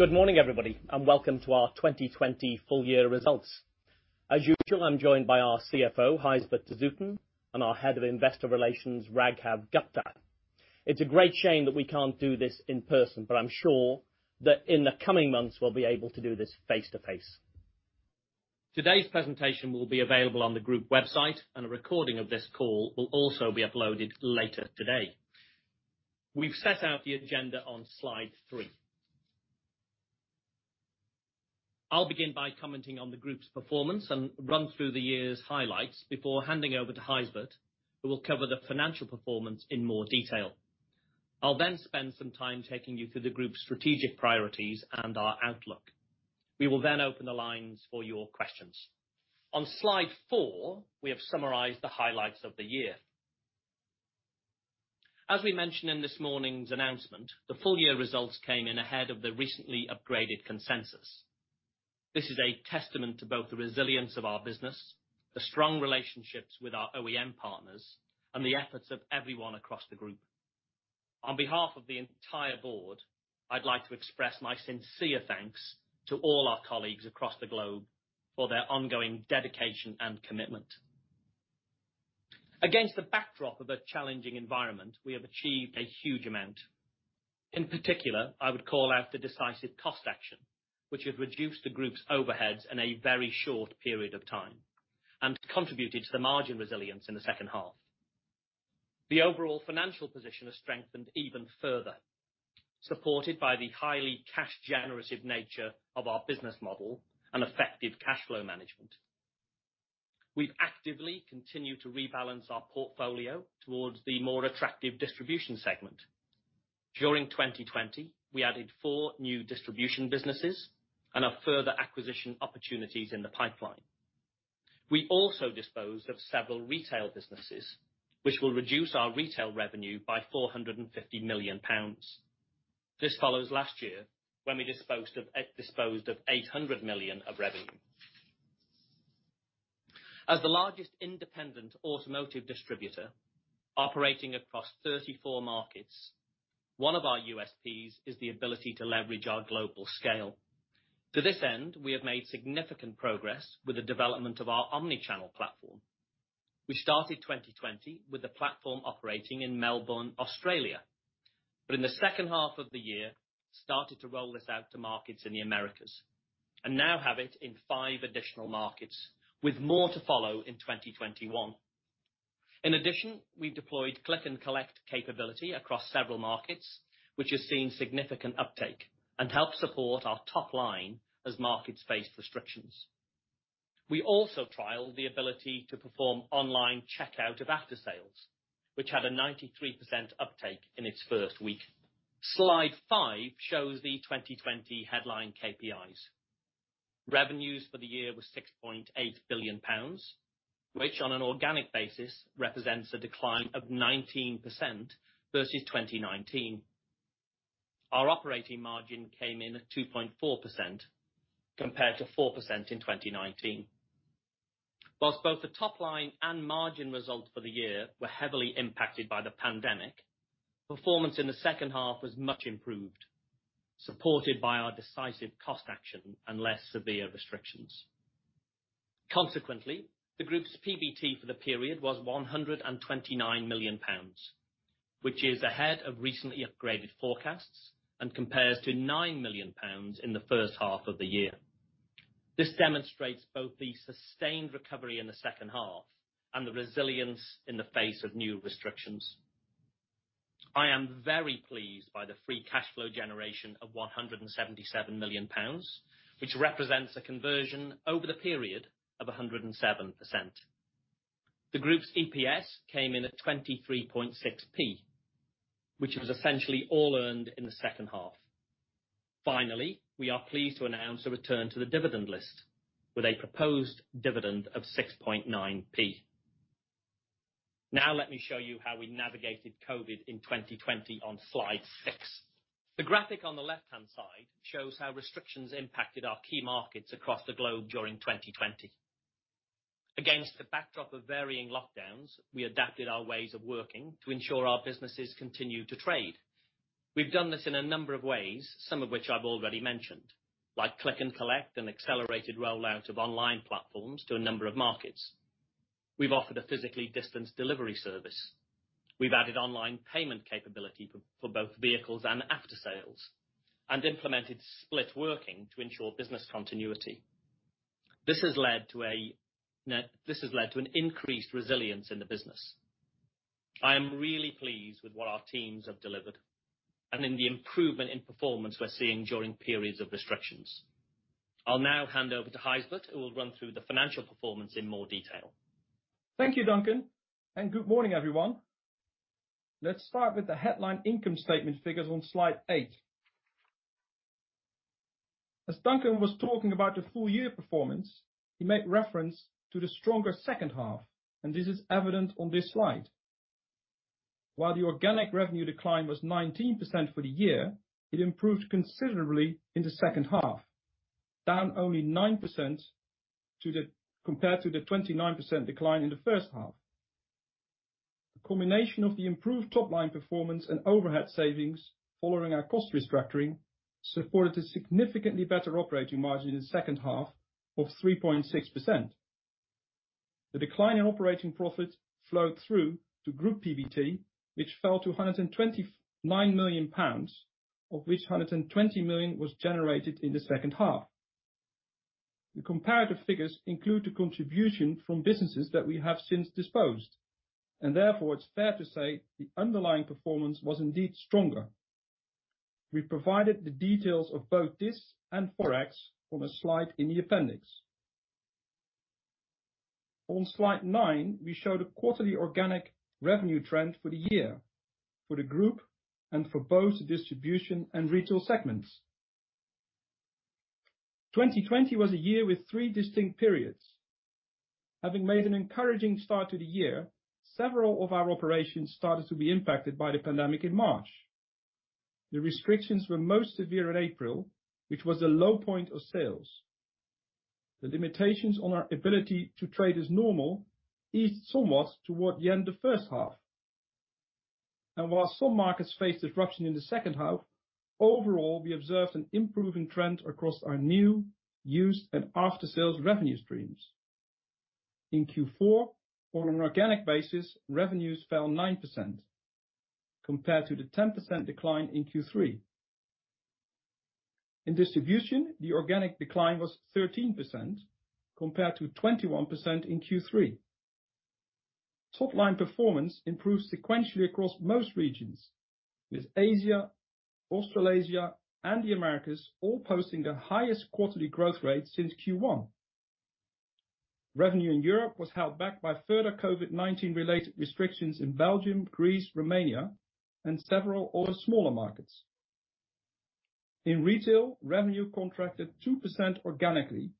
Good morning, everybody, welcome to our 2020 full year results. As usual, I'm joined by our CFO, Gijsbert de Zoeten, and our Head of Investor Relations, Raghav Gupta-Chaudhary. It's a great shame that we can't do this in person. I'm sure that in the coming months we'll be able to do this face-to-face. Today's presentation will be available on the group website. A recording of this call will also be uploaded later today. We've set out the agenda on Slide three. I'll begin by commenting on the group's performance and run through the year's highlights before handing over to Gijsbert, who will cover the financial performance in more detail. I'll then spend some time taking you through the group's strategic priorities and our outlook. We will then open the lines for your questions. On slide four, we have summarized the highlights of the year. As we mentioned in this morning's announcement, the full year results came in ahead of the recently upgraded consensus. This is a testament to both the resilience of our business, the strong relationships with our OEM partners, and the efforts of everyone across the group. On behalf of the entire board, I'd like to express my sincere thanks to all our colleagues across the globe for their ongoing dedication and commitment. Against the backdrop of a challenging environment, we have achieved a huge amount. In particular, I would call out the decisive cost action, which has reduced the group's overheads in a very short period of time and contributed to the margin resilience in the second half. The overall financial position has strengthened even further, supported by the highly cash-generative nature of our business model and effective cash flow management. We've actively continued to rebalance our portfolio towards the more attractive distribution segment. During 2020, we added four new distribution businesses and have further acquisition opportunities in the pipeline. We also disposed of several retail businesses, which will reduce our retail revenue by 450 million pounds. This follows last year, when we disposed of 800 million of revenue. As the largest independent automotive distributor operating across 34 markets, one of our USPs is the ability to leverage our global scale. To this end, we have made significant progress with the development of our omni-channel platform. We started 2020 with the platform operating in Melbourne, Australia. In the second half of the year started to roll this out to markets in the Americas. Now have it in five additional markets, with more to follow in 2021. In addition, we deployed click and collect capability across several markets, which has seen significant uptake and helped support our top line as markets faced restrictions. We also trialed the ability to perform online checkout of after sales, which had a 93% uptake in its first week. Slide five shows the 2020 headline KPIs. Revenues for the year were 6.8 billion pounds, which on an organic basis represents a decline of 19% versus 2019. Our operating margin came in at 2.4% compared to 4% in 2019. Whilst both the top line and margin results for the year were heavily impacted by the pandemic, performance in the second half was much improved, supported by our decisive cost action and less severe restrictions. the group's PBT for the period was 129 million pounds, which is ahead of recently upgraded forecasts and compares to 9 million pounds in the first half of the year. This demonstrates both the sustained recovery in the second half and the resilience in the face of new restrictions. I am very pleased by the free cash flow generation of 177 million pounds, which represents a conversion over the period of 107%. The group's EPS came in at 0.236, which was essentially all earned in the second half. Finally, we are pleased to announce a return to the dividend list with a proposed dividend of 0.069. Now let me show you how we navigated COVID in 2020 on Slide 6. The graphic on the left-hand side shows how restrictions impacted our key markets across the globe during 2020. Against the backdrop of varying lockdowns, we adapted our ways of working to ensure our businesses continued to trade. We've done this in a number of ways, some of which I've already mentioned, like click and collect and accelerated rollout of online platforms to a number of markets. We've offered a physically distanced delivery service. We've added online payment capability for both vehicles and after sales and implemented split working to ensure business continuity. This has led to an increased resilience in the business. I am really pleased with what our teams have delivered and in the improvement in performance we're seeing during periods of restrictions. I'll now hand over to Gijsbert, who will run through the financial performance in more detail. Thank you, Duncan. Good morning, everyone. Let's start with the headline income statement figures on slide 8. As Duncan was talking about the full year performance, he made reference to the stronger second half, and this is evident on this slide. While the organic revenue decline was 19% for the year, it improved considerably in the second half, down only 9% compared to the 29% decline in the first half. A combination of the improved top-line performance and overhead savings following our cost restructuring supported a significantly better operating margin in the second half of 3.6%. The decline in operating profit flowed through to group PBT, which fell to 129 million pounds, of which 120 million was generated in the second half. The comparative figures include the contribution from businesses that we have since disposed, and therefore, it's fair to say the underlying performance was indeed stronger. We provided the details of both this and ForEx on a slide in the appendix. On slide nine, we show the quarterly organic revenue trend for the year for the group and for both the distribution and retail segments. 2020 was a year with three distinct periods. Having made an encouraging start to the year, several of our operations started to be impacted by the pandemic in March. The restrictions were most severe in April, which was the low point of sales. The limitations on our ability to trade as normal eased somewhat toward the end of the first half. While some markets faced disruption in the second half, overall, we observed an improving trend across our new, used, and after-sales revenue streams. In Q4, on an organic basis, revenues fell 9% compared to the 10% decline in Q3. In distribution, the organic decline was 13% compared to 21% in Q3. Top-line performance improved sequentially across most regions, with Asia, Australasia, and the Americas all posting their highest quarterly growth rate since Q1. Revenue in Europe was held back by further COVID-19 related restrictions in Belgium, Greece, Romania, and several other smaller markets. In retail, revenue contracted 2% organically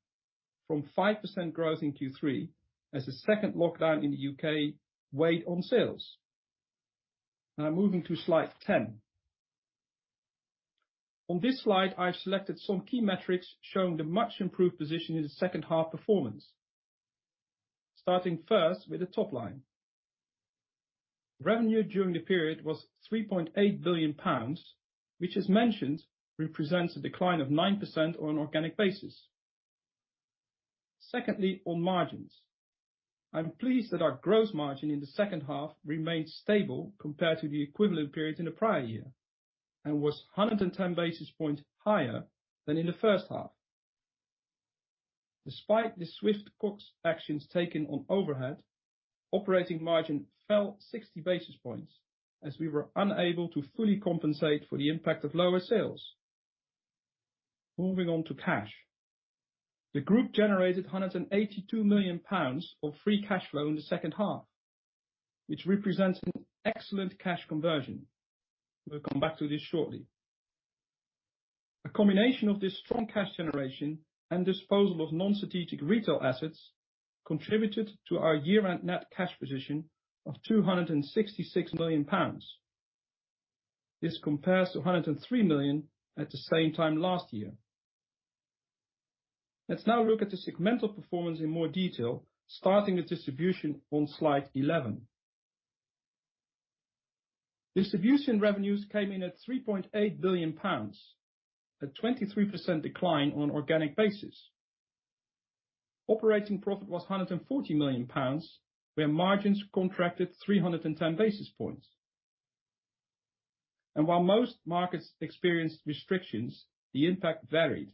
from 5% growth in Q3 as the second lockdown in the U.K. weighed on sales. Now moving to slide 10. On this slide, I've selected some key metrics showing the much improved position in the second half performance. Starting first with the top line. Revenue during the period was 3.8 billion pounds, which as mentioned, represents a decline of 9% on an organic basis. Secondly, on margins. I'm pleased that our gross margin in the second half remained stable compared to the equivalent period in the prior year and was 110 basis points higher than in the first half. Despite the swift cost actions taken on overhead, operating margin fell 60 basis points as we were unable to fully compensate for the impact of lower sales. Moving on to cash. The group generated 182 million pounds of free cash flow in the second half, which represents an excellent cash conversion. We'll come back to this shortly. A combination of this strong cash generation and disposal of non-strategic retail assets contributed to our year-end net cash position of 266 million pounds. This compares to 103 million at the same time last year. Let's now look at the segmental performance in more detail, starting with distribution on slide 11. Distribution revenues came in at 3.8 billion pounds, a 23% decline on an organic basis. Operating profit was 140 million pounds, where margins contracted 310 basis points. While most markets experienced restrictions, the impact varied.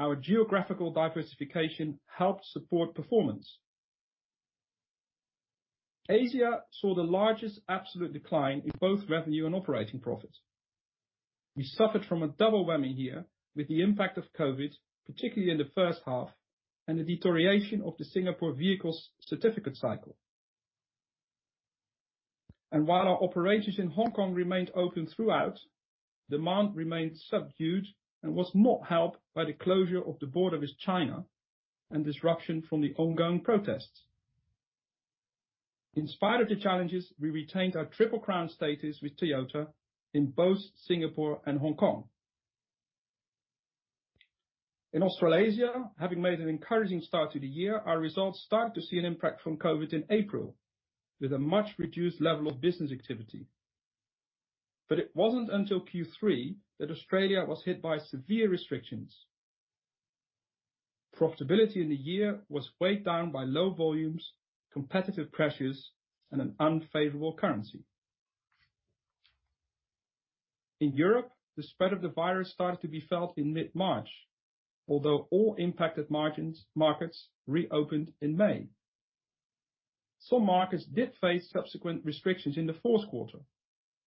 Our geographical diversification helped support performance. Asia saw the largest absolute decline in both revenue and operating profit. We suffered from a double whammy here with the impact of Covid, particularly in the first half, and the deterioration of the Singapore vehicles certificate cycle. While our operations in Hong Kong remained open throughout, demand remained subdued and was not helped by the closure of the border with China and disruption from the ongoing protests. In spite of the challenges, we retained our Triple Crown status with Toyota in both Singapore and Hong Kong. In Australasia, having made an encouraging start to the year, our results started to see an impact from Covid in April with a much reduced level of business activity. It wasn't until Q3 that Australia was hit by severe restrictions. Profitability in the year was weighed down by low volumes, competitive pressures, and an unfavorable currency. In Europe, the spread of the virus started to be felt in mid-March, although all impacted markets reopened in May. Some markets did face subsequent restrictions in the fourth quarter,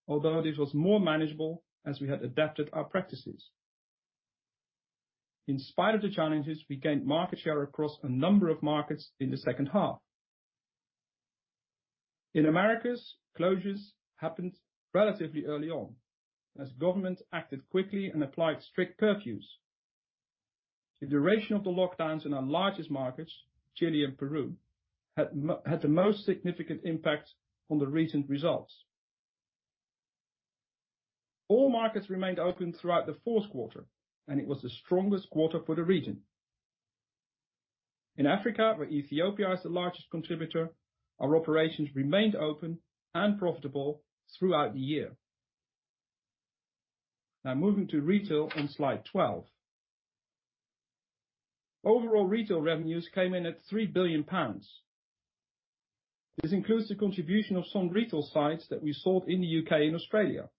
although this was more manageable as we had adapted our practices. In spite of the challenges, we gained market share across a number of markets in the second half. In Americas, closures happened relatively early on as governments acted quickly and applied strict curfews. The duration of the lockdowns in our largest markets, Chile and Peru, had the most significant impact on the recent results. All markets remained open throughout the fourth quarter, it was the strongest quarter for the region. In Africa, where Ethiopia is the largest contributor, our operations remained open and profitable throughout the year. Moving to retail on slide 12. Overall retail revenues came in at 3 billion pounds. This includes the contribution of some retail sites that we sold in the U.K. and Australia.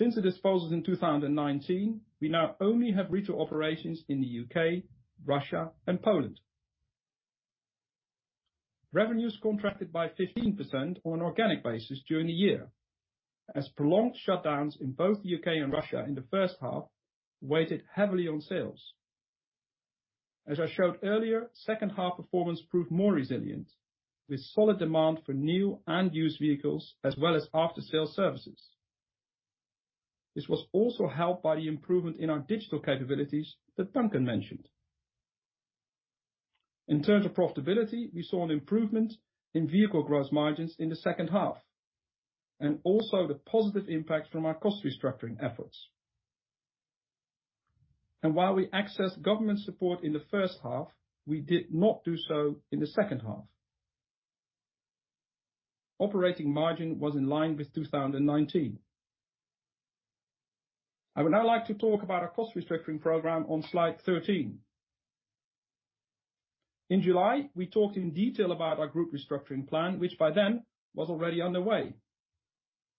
Since the disposals in 2019, we now only have retail operations in the U.K., Russia, and Poland. Revenues contracted by 15% on an organic basis during the year as prolonged shutdowns in both the U.K. and Russia in the first half weighted heavily on sales. As I showed earlier, second half performance proved more resilient with solid demand for new and used vehicles as well as after-sale services. This was also helped by the improvement in our digital capabilities that Duncan mentioned. In terms of profitability, we saw an improvement in vehicle gross margins in the second half, also the positive impact from our cost restructuring efforts. While we accessed government support in the first half, we did not do so in the second half. Operating margin was in line with 2019. I would now like to talk about our cost restructuring program on slide 13. In July, we talked in detail about our group restructuring plan, which by then was already underway.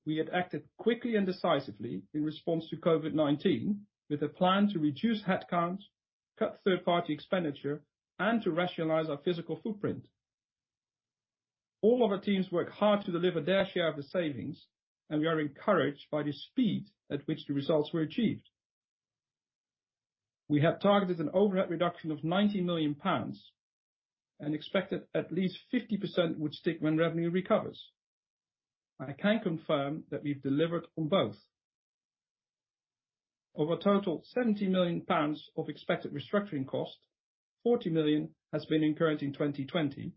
We had acted quickly and decisively in response to COVID-19 with a plan to reduce headcounts, cut third-party expenditure, and to rationalize our physical footprint. All of our teams worked hard to deliver their share of the savings, we are encouraged by the speed at which the results were achieved. We had targeted an overhead reduction of 90 million pounds and expected at least 50% would stick when revenue recovers. I can confirm that we've delivered on both. Of a total 70 million pounds of expected restructuring cost, 40 million has been incurred in 2020,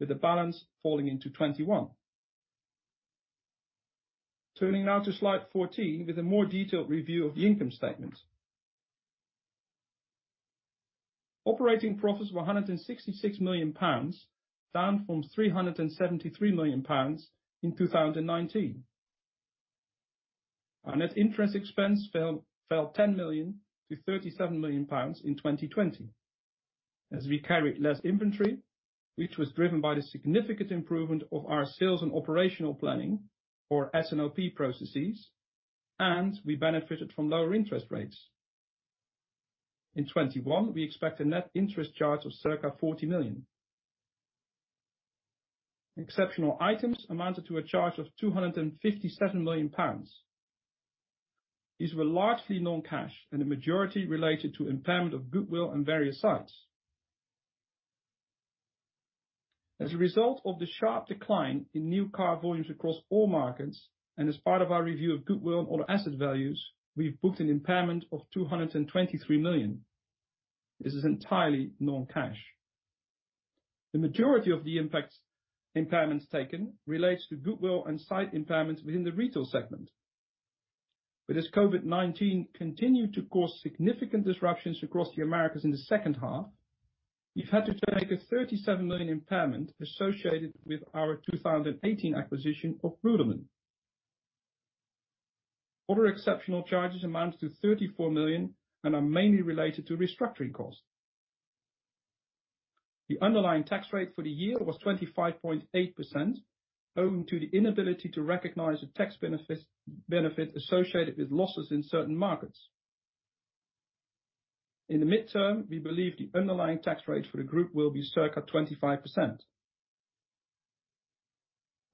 with the balance falling into 2021. Turning now to slide 14 with a more detailed review of the income statement. Operating profits were 166 million pounds, down from 373 million pounds in 2019. Our net interest expense fell 10 million to 37 million pounds in 2020 as we carried less inventory, which was driven by the significant improvement of our sales and operational planning or S&OP processes, we benefited from lower interest rates. In 2021, we expect a net interest charge of circa 40 million. Exceptional items amounted to a charge of 257 million pounds. These were largely non-cash, the majority related to impairment of goodwill in various sites. As a result of the sharp decline in new car volumes across all markets and as part of our review of goodwill and other asset values, we've booked an impairment of 223 million. This is entirely non-cash. The majority of the impacts impairments taken relates to goodwill and site impairments within the retail segment. As COVID-19 continued to cause significant disruptions across the Americas in the second half, we've had to take a 37 million impairment associated with our 2018 acquisition of Rudelman. Other exceptional charges amount to 34 million are mainly related to restructuring costs. The underlying tax rate for the year was 25.8%, owing to the inability to recognize the tax benefit associated with losses in certain markets. In the midterm, we believe the underlying tax rate for the group will be circa 25%.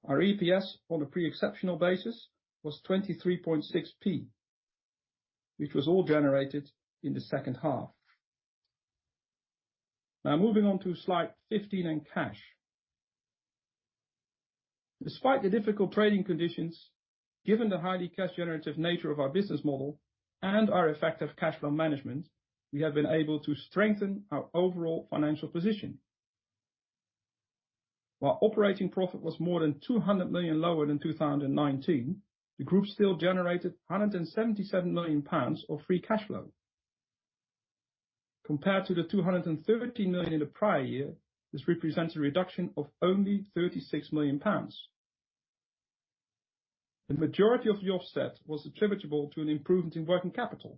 Our EPS on a pre-exceptional basis was 0.236, which was all generated in the second half. Moving on to slide 15 and cash. Despite the difficult trading conditions, given the highly cash generative nature of our business model and our effective cash flow management, we have been able to strengthen our overall financial position. While operating profit was more than 200 million lower than 2019, the group still generated 177 million pounds of free cash flow. Compared to the 230 million the prior year, this represents a reduction of only 36 million pounds. The majority of the offset was attributable to an improvement in working capital.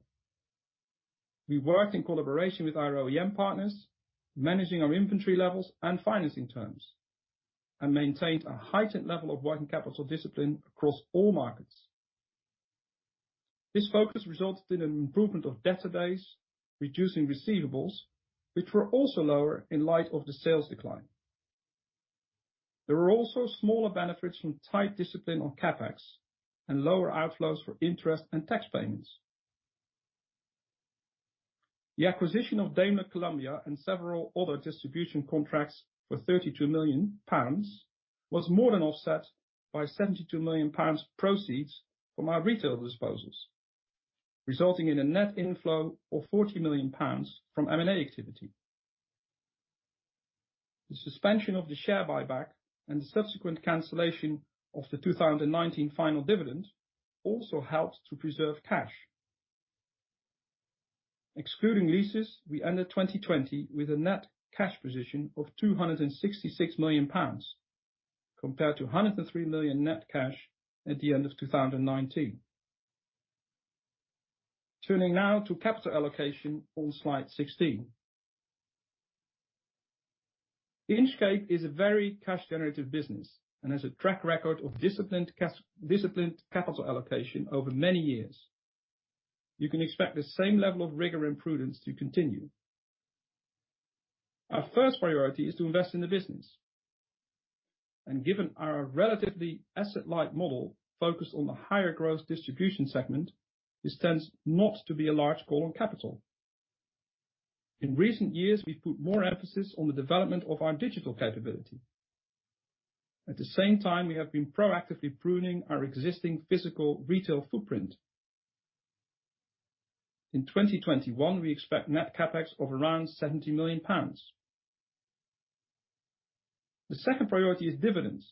We worked in collaboration with our OEM partners, managing our inventory levels and financing terms, and maintained a heightened level of working capital discipline across all markets. This focus resulted in an improvement of database, reducing receivables, which were also lower in light of the sales decline. There were also smaller benefits from tight discipline on CapEx and lower outflows for interest and tax payments. The acquisition of Daimler Colombia and several other distribution contracts for 32 million pounds was more than offset by 72 million pounds proceeds from our retail disposals, resulting in a net inflow of 40 million pounds from M&A activity. The suspension of the share buyback and the subsequent cancellation of the 2019 final dividend also helped to preserve cash. Excluding leases, we ended 2020 with a net cash position of 266 million pounds, compared to 103 million net cash at the end of 2019. Turning now to capital allocation on slide 16. Inchcape is a very cash generative business and has a track record of disciplined capital allocation over many years. You can expect the same level of rigor and prudence to continue. Our first priority is to invest in the business, and given our relatively asset-light model focused on the higher growth distribution segment, this tends not to be a large call on capital. In recent years, we've put more emphasis on the development of our digital capability. At the same time, we have been proactively pruning our existing physical retail footprint. In 2021, we expect net CapEx of around 70 million pounds. The second priority is dividends.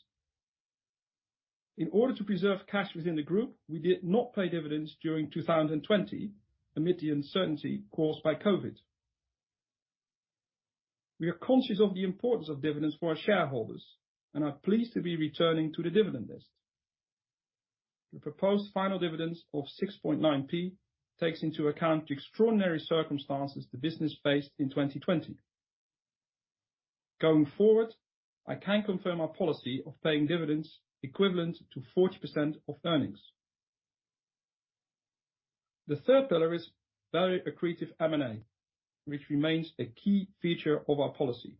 In order to preserve cash within the group, we did not pay dividends during 2020 amid the uncertainty caused by COVID. We are conscious of the importance of dividends for our shareholders and are pleased to be returning to the dividend list. The proposed final dividends of 0.069 takes into account the extraordinary circumstances the business faced in 2020. Going forward, I can confirm our policy of paying dividends equivalent to 40% of earnings. The third pillar is very accretive M&A, which remains a key feature of our policy.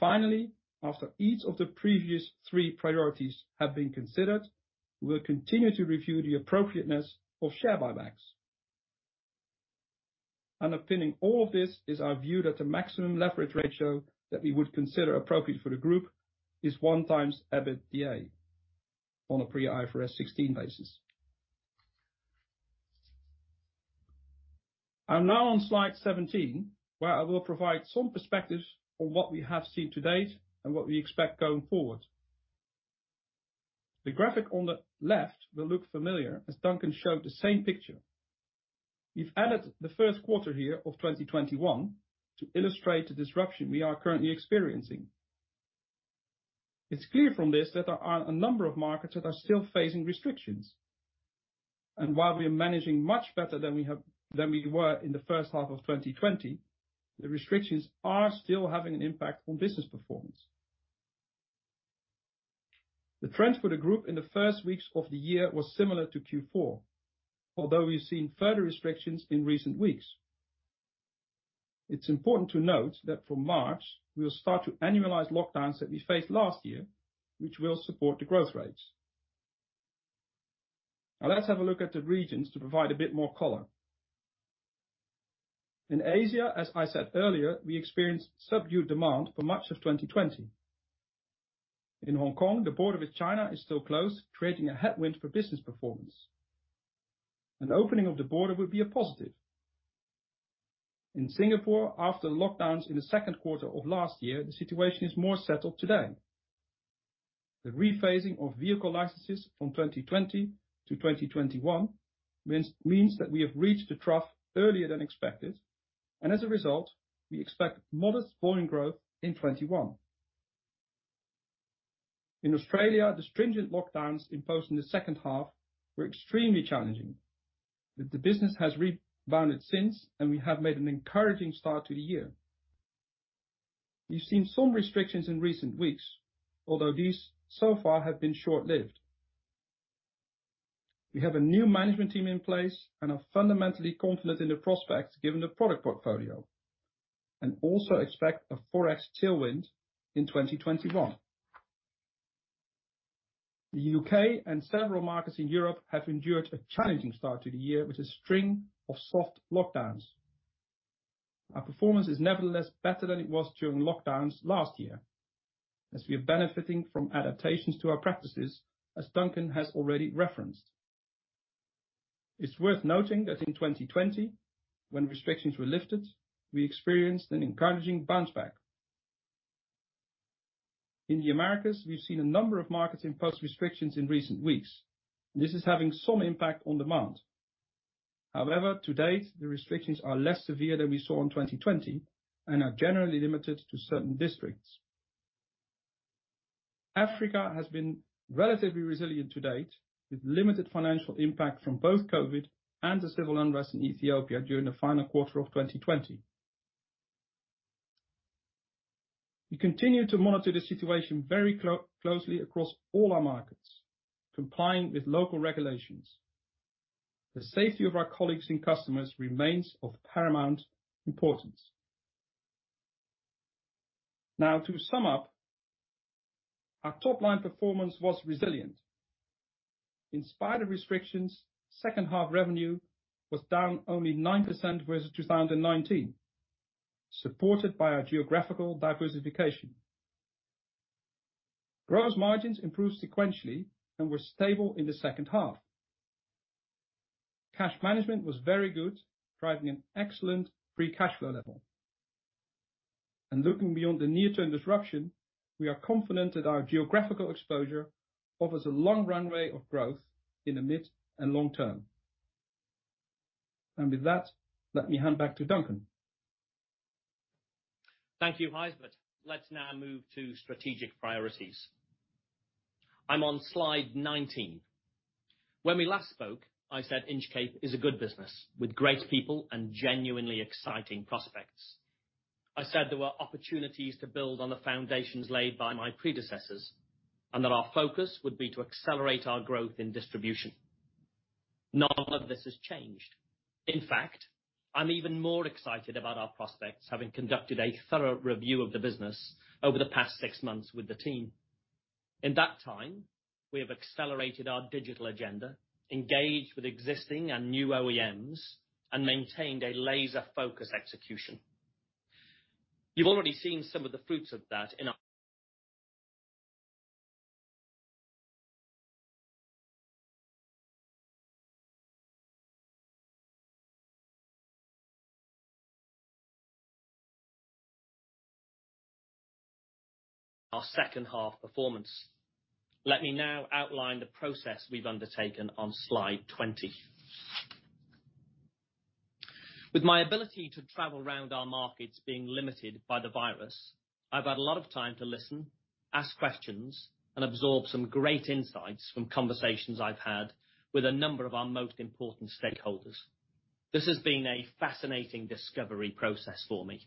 Finally, after each of the previous three priorities have been considered, we'll continue to review the appropriateness of share buybacks. Underpinning all of this is our view that the maximum leverage ratio that we would consider appropriate for the group is 1x EBITDA on a pre IFRS 16 basis. I'm now on slide 17, where I will provide some perspective on what we have seen to date and what we expect going forward. The graphic on the left will look familiar, as Duncan showed the same picture. We've added the first quarter here of 2021 to illustrate the disruption we are currently experiencing. It's clear from this that there are a number of markets that are still facing restrictions. While we are managing much better than we were in the first half of 2020, the restrictions are still having an impact on business performance. The trends for the group in the first weeks of the year was similar to Q4, although we've seen further restrictions in recent weeks. It's important to note that from March, we will start to annualize lockdowns that we faced last year, which will support the growth rates. Let's have a look at the regions to provide a bit more color. In Asia, as I said earlier, we experienced subdued demand for much of 2020. In Hong Kong, the border with China is still closed, creating a headwind for business performance. An opening of the border would be a positive. In Singapore, after the lockdowns in the second quarter of last year, the situation is more settled today. The rephasing of vehicle licenses from 2020-2021 means that we have reached the trough earlier than expected, and as a result, we expect modest volume growth in 2021. In Australia, the stringent lockdowns imposed in the second half were extremely challenging. The business has rebounded since, and we have made an encouraging start to the year. We've seen some restrictions in recent weeks, although these so far have been short-lived. We have a new management team in place and are fundamentally confident in the prospects given the product portfolio, and also expect a ForEx tailwind in 2021. The U.K. and several markets in Europe have endured a challenging start to the year with a string of soft lockdowns. Our performance is nevertheless better than it was during lockdowns last year, as we are benefiting from adaptations to our practices, as Duncan has already referenced. It's worth noting that in 2020, when restrictions were lifted, we experienced an encouraging bounce back. In the Americas, we've seen a number of markets impose restrictions in recent weeks. This is having some impact on demand. To date, the restrictions are less severe than we saw in 2020 and are generally limited to certain districts. Africa has been relatively resilient to date, with limited financial impact from both COVID-19 and the civil unrest in Ethiopia during the final quarter of 2020. We continue to monitor the situation very closely across all our markets, complying with local regulations. The safety of our colleagues and customers remains of paramount importance. To sum up, our top line performance was resilient. In spite of restrictions, second half revenue was down only 9% versus 2019, supported by our geographical diversification. Gross margins improved sequentially and were stable in the second half. Cash management was very good, driving an excellent free cash flow level. Looking beyond the near-term disruption, we are confident that our geographical exposure offers a long runway of growth in the mid and long term. With that, let me hand back to Duncan. Thank you, Gijsbert. Let's now move to strategic priorities. I'm on slide 19. When we last spoke, I said Inchcape is a good business with great people and genuinely exciting prospects. I said there were opportunities to build on the foundations laid by my predecessors, and that our focus would be to accelerate our growth in distribution. None of this has changed. In fact, I'm even more excited about our prospects, having conducted a thorough review of the business over the past six months with the team. In that time, we have accelerated our digital agenda, engaged with existing and new OEMs, and maintained a laser-focused execution. You've already seen some of the fruits of that in our second half performance. Let me now outline the process we've undertaken on Slide 20. With my ability to travel around our markets being limited by the virus, I've had a lot of time to listen, ask questions, and absorb some great insights from conversations I've had with a number of our most important stakeholders. This has been a fascinating discovery process for me.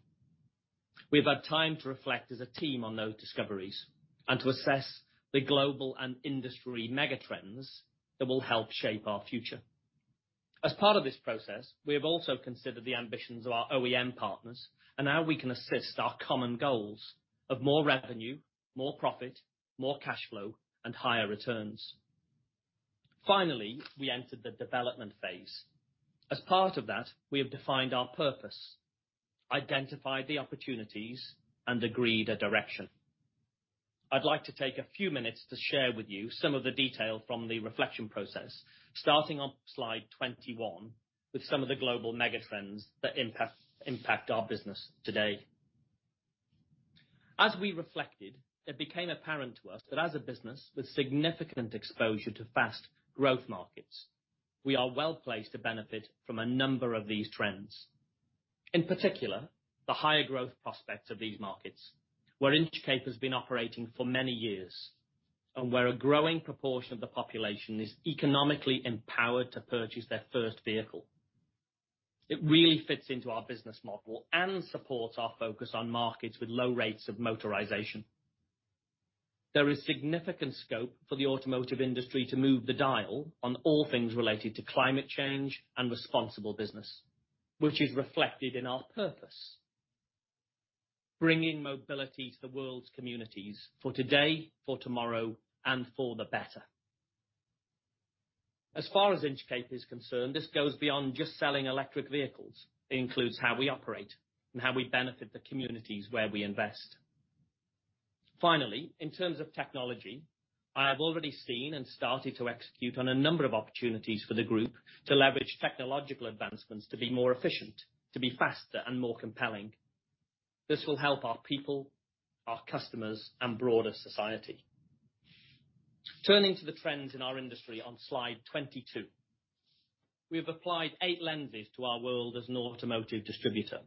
We've had time to reflect as a team on those discoveries and to assess the global and industry mega trends that will help shape our future. As part of this process, we have also considered the ambitions of our OEM partners and how we can assist our common goals of more revenue, more profit, more cash flow, and higher returns. We entered the development phase. As part of that, we have defined our purpose, identified the opportunities, and agreed a direction. I'd like to take a few minutes to share with you some of the detail from the reflection process, starting on slide 21 with some of the global mega trends that impact our business today. As we reflected, it became apparent to us that as a business with significant exposure to fast growth markets, we are well-placed to benefit from a number of these trends. In particular, the higher growth prospects of these markets, where Inchcape has been operating for many years, and where a growing proportion of the population is economically empowered to purchase their first vehicle. It really fits into our business model and supports our focus on markets with low rates of motorization. There is significant scope for the automotive industry to move the dial on all things related to climate change and responsible business, which is reflected in our purpose, bringing mobility to the world's communities for today, for tomorrow, and for the better. As far as Inchcape is concerned, this goes beyond just selling electric vehicles. It includes how we operate and how we benefit the communities where we invest. In terms of technology, I have already seen and started to execute on a number of opportunities for the group to leverage technological advancements to be more efficient, to be faster, and more compelling. This will help our people, our customers, and broader society. Turning to the trends in our industry on slide 22. We have applied eight lenses to our world as an automotive distributor.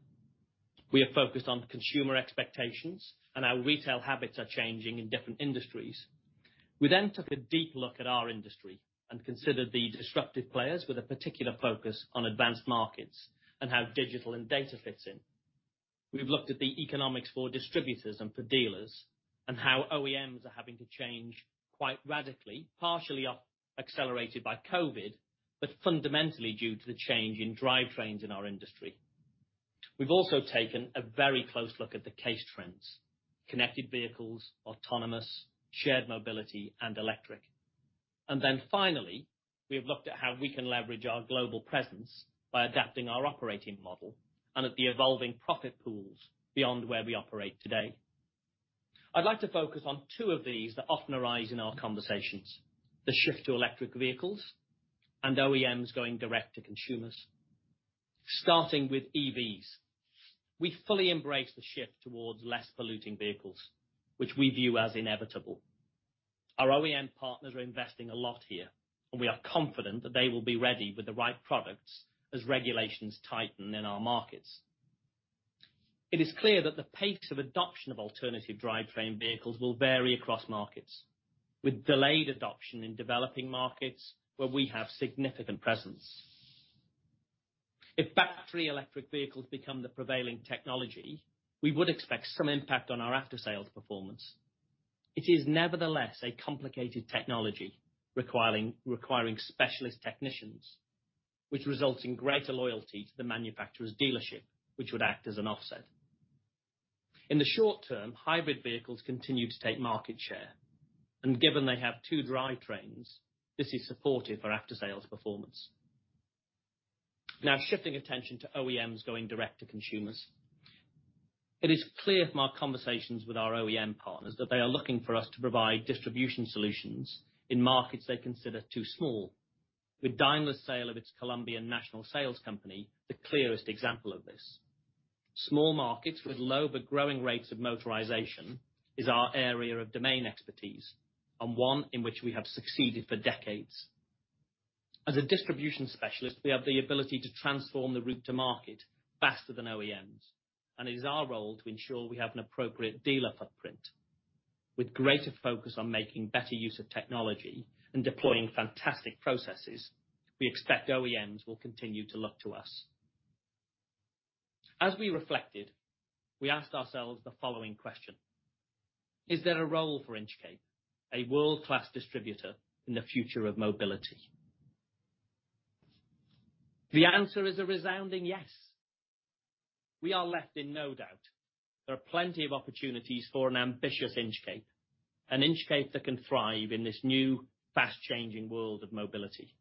We are focused on consumer expectations and how retail habits are changing in different industries. We took a deep look at our industry and considered the disruptive players with a particular focus on advanced markets and how digital and data fits in. We've looked at the economics for distributors and for dealers, and how OEMs are having to change quite radically, partially accelerated by COVID-19, but fundamentally due to the change in drivetrains in our industry. We've also taken a very close look at the case trends, connected vehicles, autonomous, shared mobility, and electric. Finally, we have looked at how we can leverage our global presence by adapting our operating model and at the evolving profit pools beyond where we operate today. I'd like to focus on two of these that often arise in our conversations, the shift to electric vehicles and OEMs going direct to consumers. Starting with EVs. We fully embrace the shift towards less polluting vehicles, which we view as inevitable. Our OEM partners are investing a lot here, and we are confident that they will be ready with the right products as regulations tighten in our markets. It is clear that the pace of adoption of alternative drivetrain vehicles will vary across markets, with delayed adoption in developing markets where we have significant presence. If battery electric vehicles become the prevailing technology, we would expect some impact on our after-sales performance. It is nevertheless a complicated technology requiring specialist technicians, which results in greater loyalty to the manufacturer's dealership, which would act as an offset. In the short term, hybrid vehicles continue to take market share, and given they have two drivetrains, this is supportive for after-sales performance. Shifting attention to OEMs going direct to consumers. It is clear from our conversations with our OEM partners that they are looking for us to provide distribution solutions in markets they consider too small. With Daimler's sale of its Colombian national sales company, the clearest example of this. Small markets with low but growing rates of motorization is our area of domain expertise, and one in which we have succeeded for decades. As a distribution specialist, we have the ability to transform the route to market faster than OEMs, and it is our role to ensure we have an appropriate dealer footprint. With greater focus on making better use of technology and deploying fantastic processes, we expect OEMs will continue to look to us. As we reflected, we asked ourselves the following question: Is there a role for Inchcape, a world-class distributor, in the future of mobility? The answer is a resounding yes. We are left in no doubt. There are plenty of opportunities for an ambitious Inchcape, an Inchcape that can thrive in this new, fast-changing world of mobility.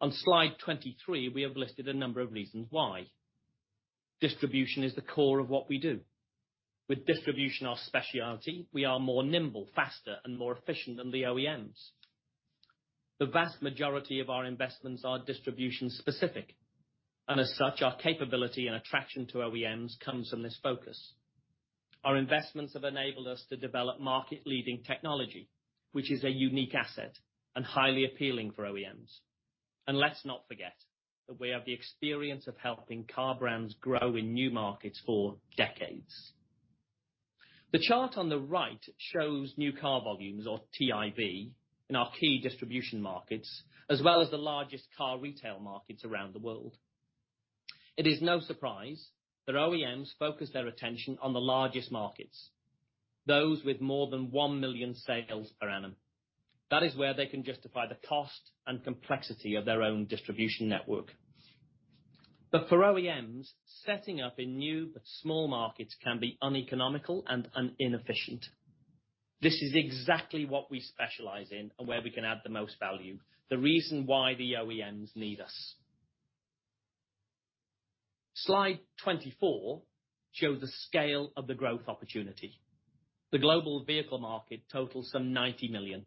On slide 23, we have listed a number of reasons why. Distribution is the core of what we do. With distribution our specialty, we are more nimble, faster, and more efficient than the OEMs. The vast majority of our investments are distribution specific, and as such, our capability and attraction to OEMs comes from this focus. Our investments have enabled us to develop market-leading technology, which is a unique asset and highly appealing for OEMs. Let's not forget that we have the experience of helping car brands grow in new markets for decades. The chart on the right shows new car volumes, or TIV, in our key distribution markets, as well as the largest car retail markets around the world. It is no surprise that OEMs focus their attention on the largest markets, those with more than 1 million sales per annum. That is where they can justify the cost and complexity of their own distribution network. For OEMs, setting up in new but small markets can be uneconomical and inefficient. This is exactly what we specialize in and where we can add the most value, the reason why the OEMs need us. Slide 24 shows the scale of the growth opportunity. The global vehicle market totals some 90 million.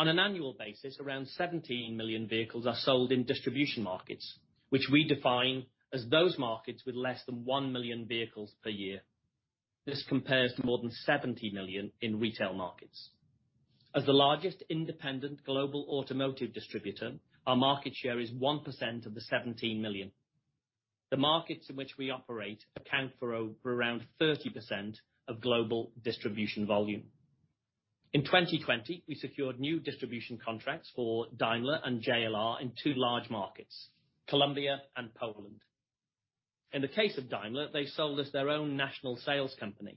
On an annual basis, around 17 million vehicles are sold in distribution markets, which we define as those markets with less than 1 million vehicles per year. This compares to more than 70 million in retail markets. As the largest independent global automotive distributor, our market share is 1% of the 17 million. The markets in which we operate account for around 30% of global distribution volume. In 2020, we secured new distribution contracts for Daimler and JLR in two large markets, Colombia and Poland. In the case of Daimler, they sold us their own national sales company.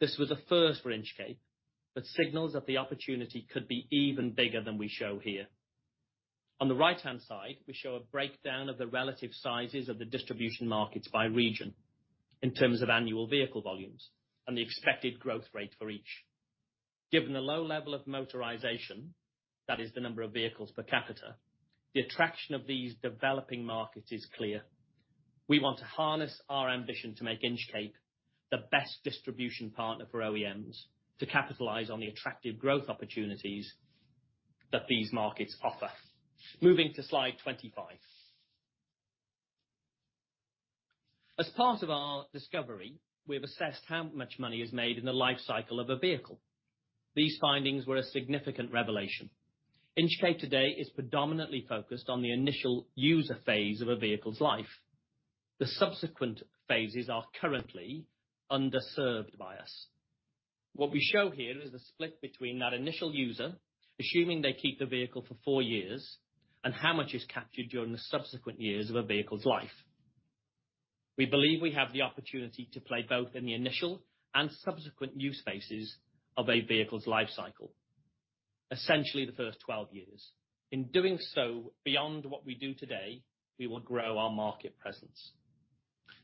This was a first for Inchcape but signals that the opportunity could be even bigger than we show here. On the right-hand side, we show a breakdown of the relative sizes of the distribution markets by region in terms of annual vehicle volumes and the expected growth rate for each. Given the low level of motorization, that is the number of vehicles per capita, the attraction of these developing markets is clear. We want to harness our ambition to make Inchcape the best distribution partner for OEMs to capitalize on the attractive growth opportunities that these markets offer. Moving to slide 25. As part of our discovery, we've assessed how much money is made in the lifecycle of a vehicle. These findings were a significant revelation. Inchcape today is predominantly focused on the initial user phase of a vehicle's life. The subsequent phases are currently underserved by us. What we show here is a split between that initial user, assuming they keep the vehicle for four years, and how much is captured during the subsequent years of a vehicle's life. We believe we have the opportunity to play both in the initial and subsequent use phases of a vehicle's lifecycle, essentially the first 12 years. In doing so, beyond what we do today, we will grow our market presence.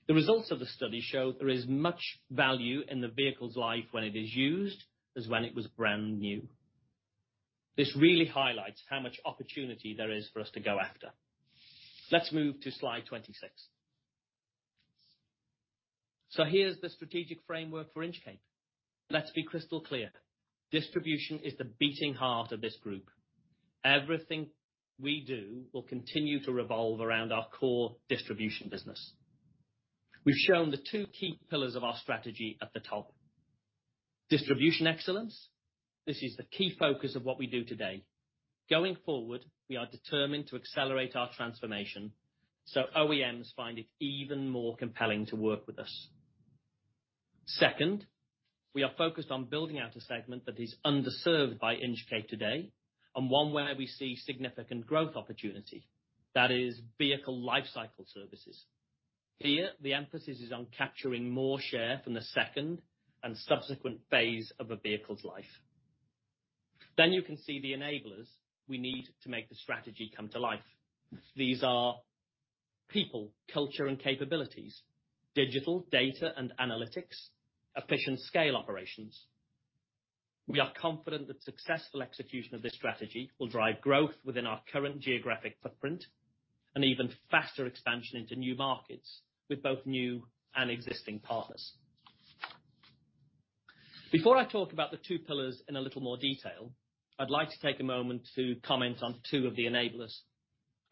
The results of the study show there is much value in the vehicle's life when it is used, as when it was brand new. This really highlights how much opportunity there is for us to go after. Let's move to slide 26. Here's the strategic framework for Inchcape. Let's be crystal clear. Distribution is the beating heart of this group. Everything we do will continue to revolve around our core distribution business. We've shown the two key pillars of our strategy at the top. Distribution excellence, this is the key focus of what we do today. Going forward, we are determined to accelerate our transformation so OEMs find it even more compelling to work with us. Second, we are focused on building out a segment that is underserved by Inchcape today, and one where we see significant growth opportunity. That is vehicle lifecycle services. Here, the emphasis is on capturing more share from the second and subsequent phase of a vehicle's life. You can see the enablers we need to make the strategy come to life. These are people, culture, and capabilities, digital data and analytics, efficient scale operations. We are confident that successful execution of this strategy will drive growth within our current geographic footprint, and even faster expansion into new markets with both new and existing partners. Before I talk about the two pillars in a little more detail, I'd like to take a moment to comment on two of the enablers.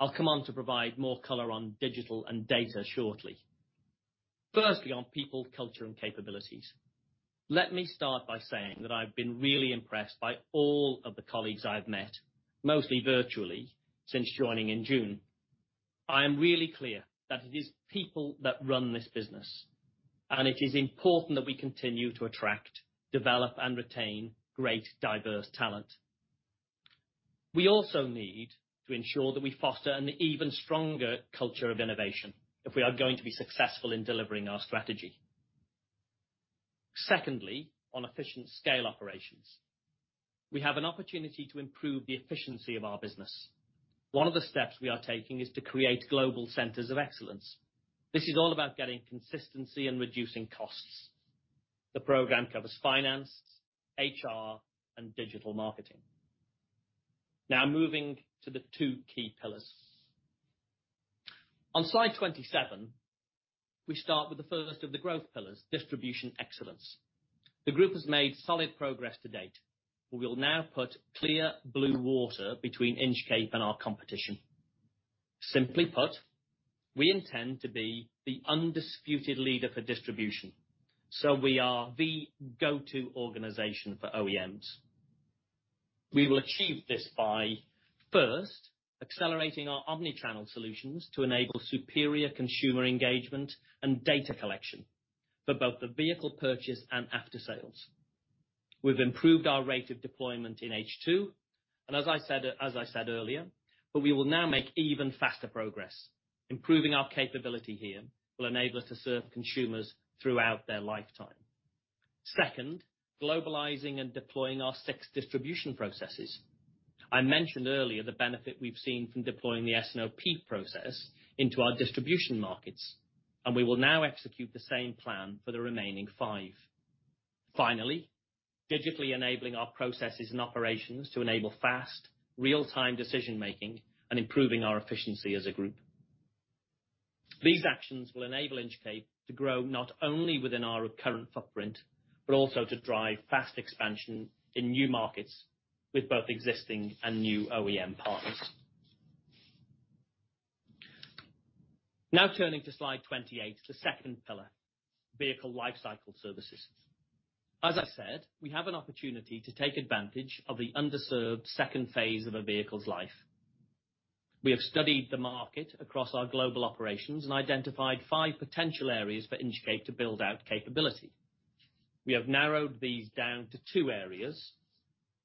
I'll come on to provide more color on digital and data shortly. Firstly, on people, culture, and capabilities. Let me start by saying that I've been really impressed by all of the colleagues I've met, mostly virtually, since joining in June. I am really clear that it is people that run this business. It is important that we continue to attract, develop, and retain great diverse talent. We also need to ensure that we foster an even stronger culture of innovation if we are going to be successful in delivering our strategy. Secondly, on efficient scale operations, we have an opportunity to improve the efficiency of our business. One of the steps we are taking is to create global centers of excellence. This is all about getting consistency and reducing costs. The program covers finance, HR, and digital marketing. Moving to the two key pillars. On slide 27, we start with the first of the growth pillars, Distribution Excellence. The group has made solid progress to date. We will now put clear blue water between Inchcape and our competition. Simply put, we intend to be the undisputed leader for distribution. We are the go-to organization for OEMs. We will achieve this by, first, accelerating our omni-channel solutions to enable superior consumer engagement and data collection for both the vehicle purchase and aftersales. We've improved our rate of deployment in H2, as I said earlier. We will now make even faster progress. Improving our capability here will enable us to serve consumers throughout their lifetime. Second, globalizing and deploying our six distribution processes. I mentioned earlier the benefit we've seen from deploying the S&OP process into our distribution markets. We will now execute the same plan for the remaining five. Finally, digitally enabling our processes and operations to enable fast, real-time decision-making and improving our efficiency as a group. These actions will enable Inchcape to grow not only within our current footprint, but also to drive fast expansion in new markets with both existing and new OEM partners. Turning to slide 28, the second pillar, Vehicle Lifecycle Services. As I said, we have an opportunity to take advantage of the underserved second phase of a vehicle's life. We have studied the market across our global operations and identified five potential areas for Inchcape to build out capability. We have narrowed these down to two areas,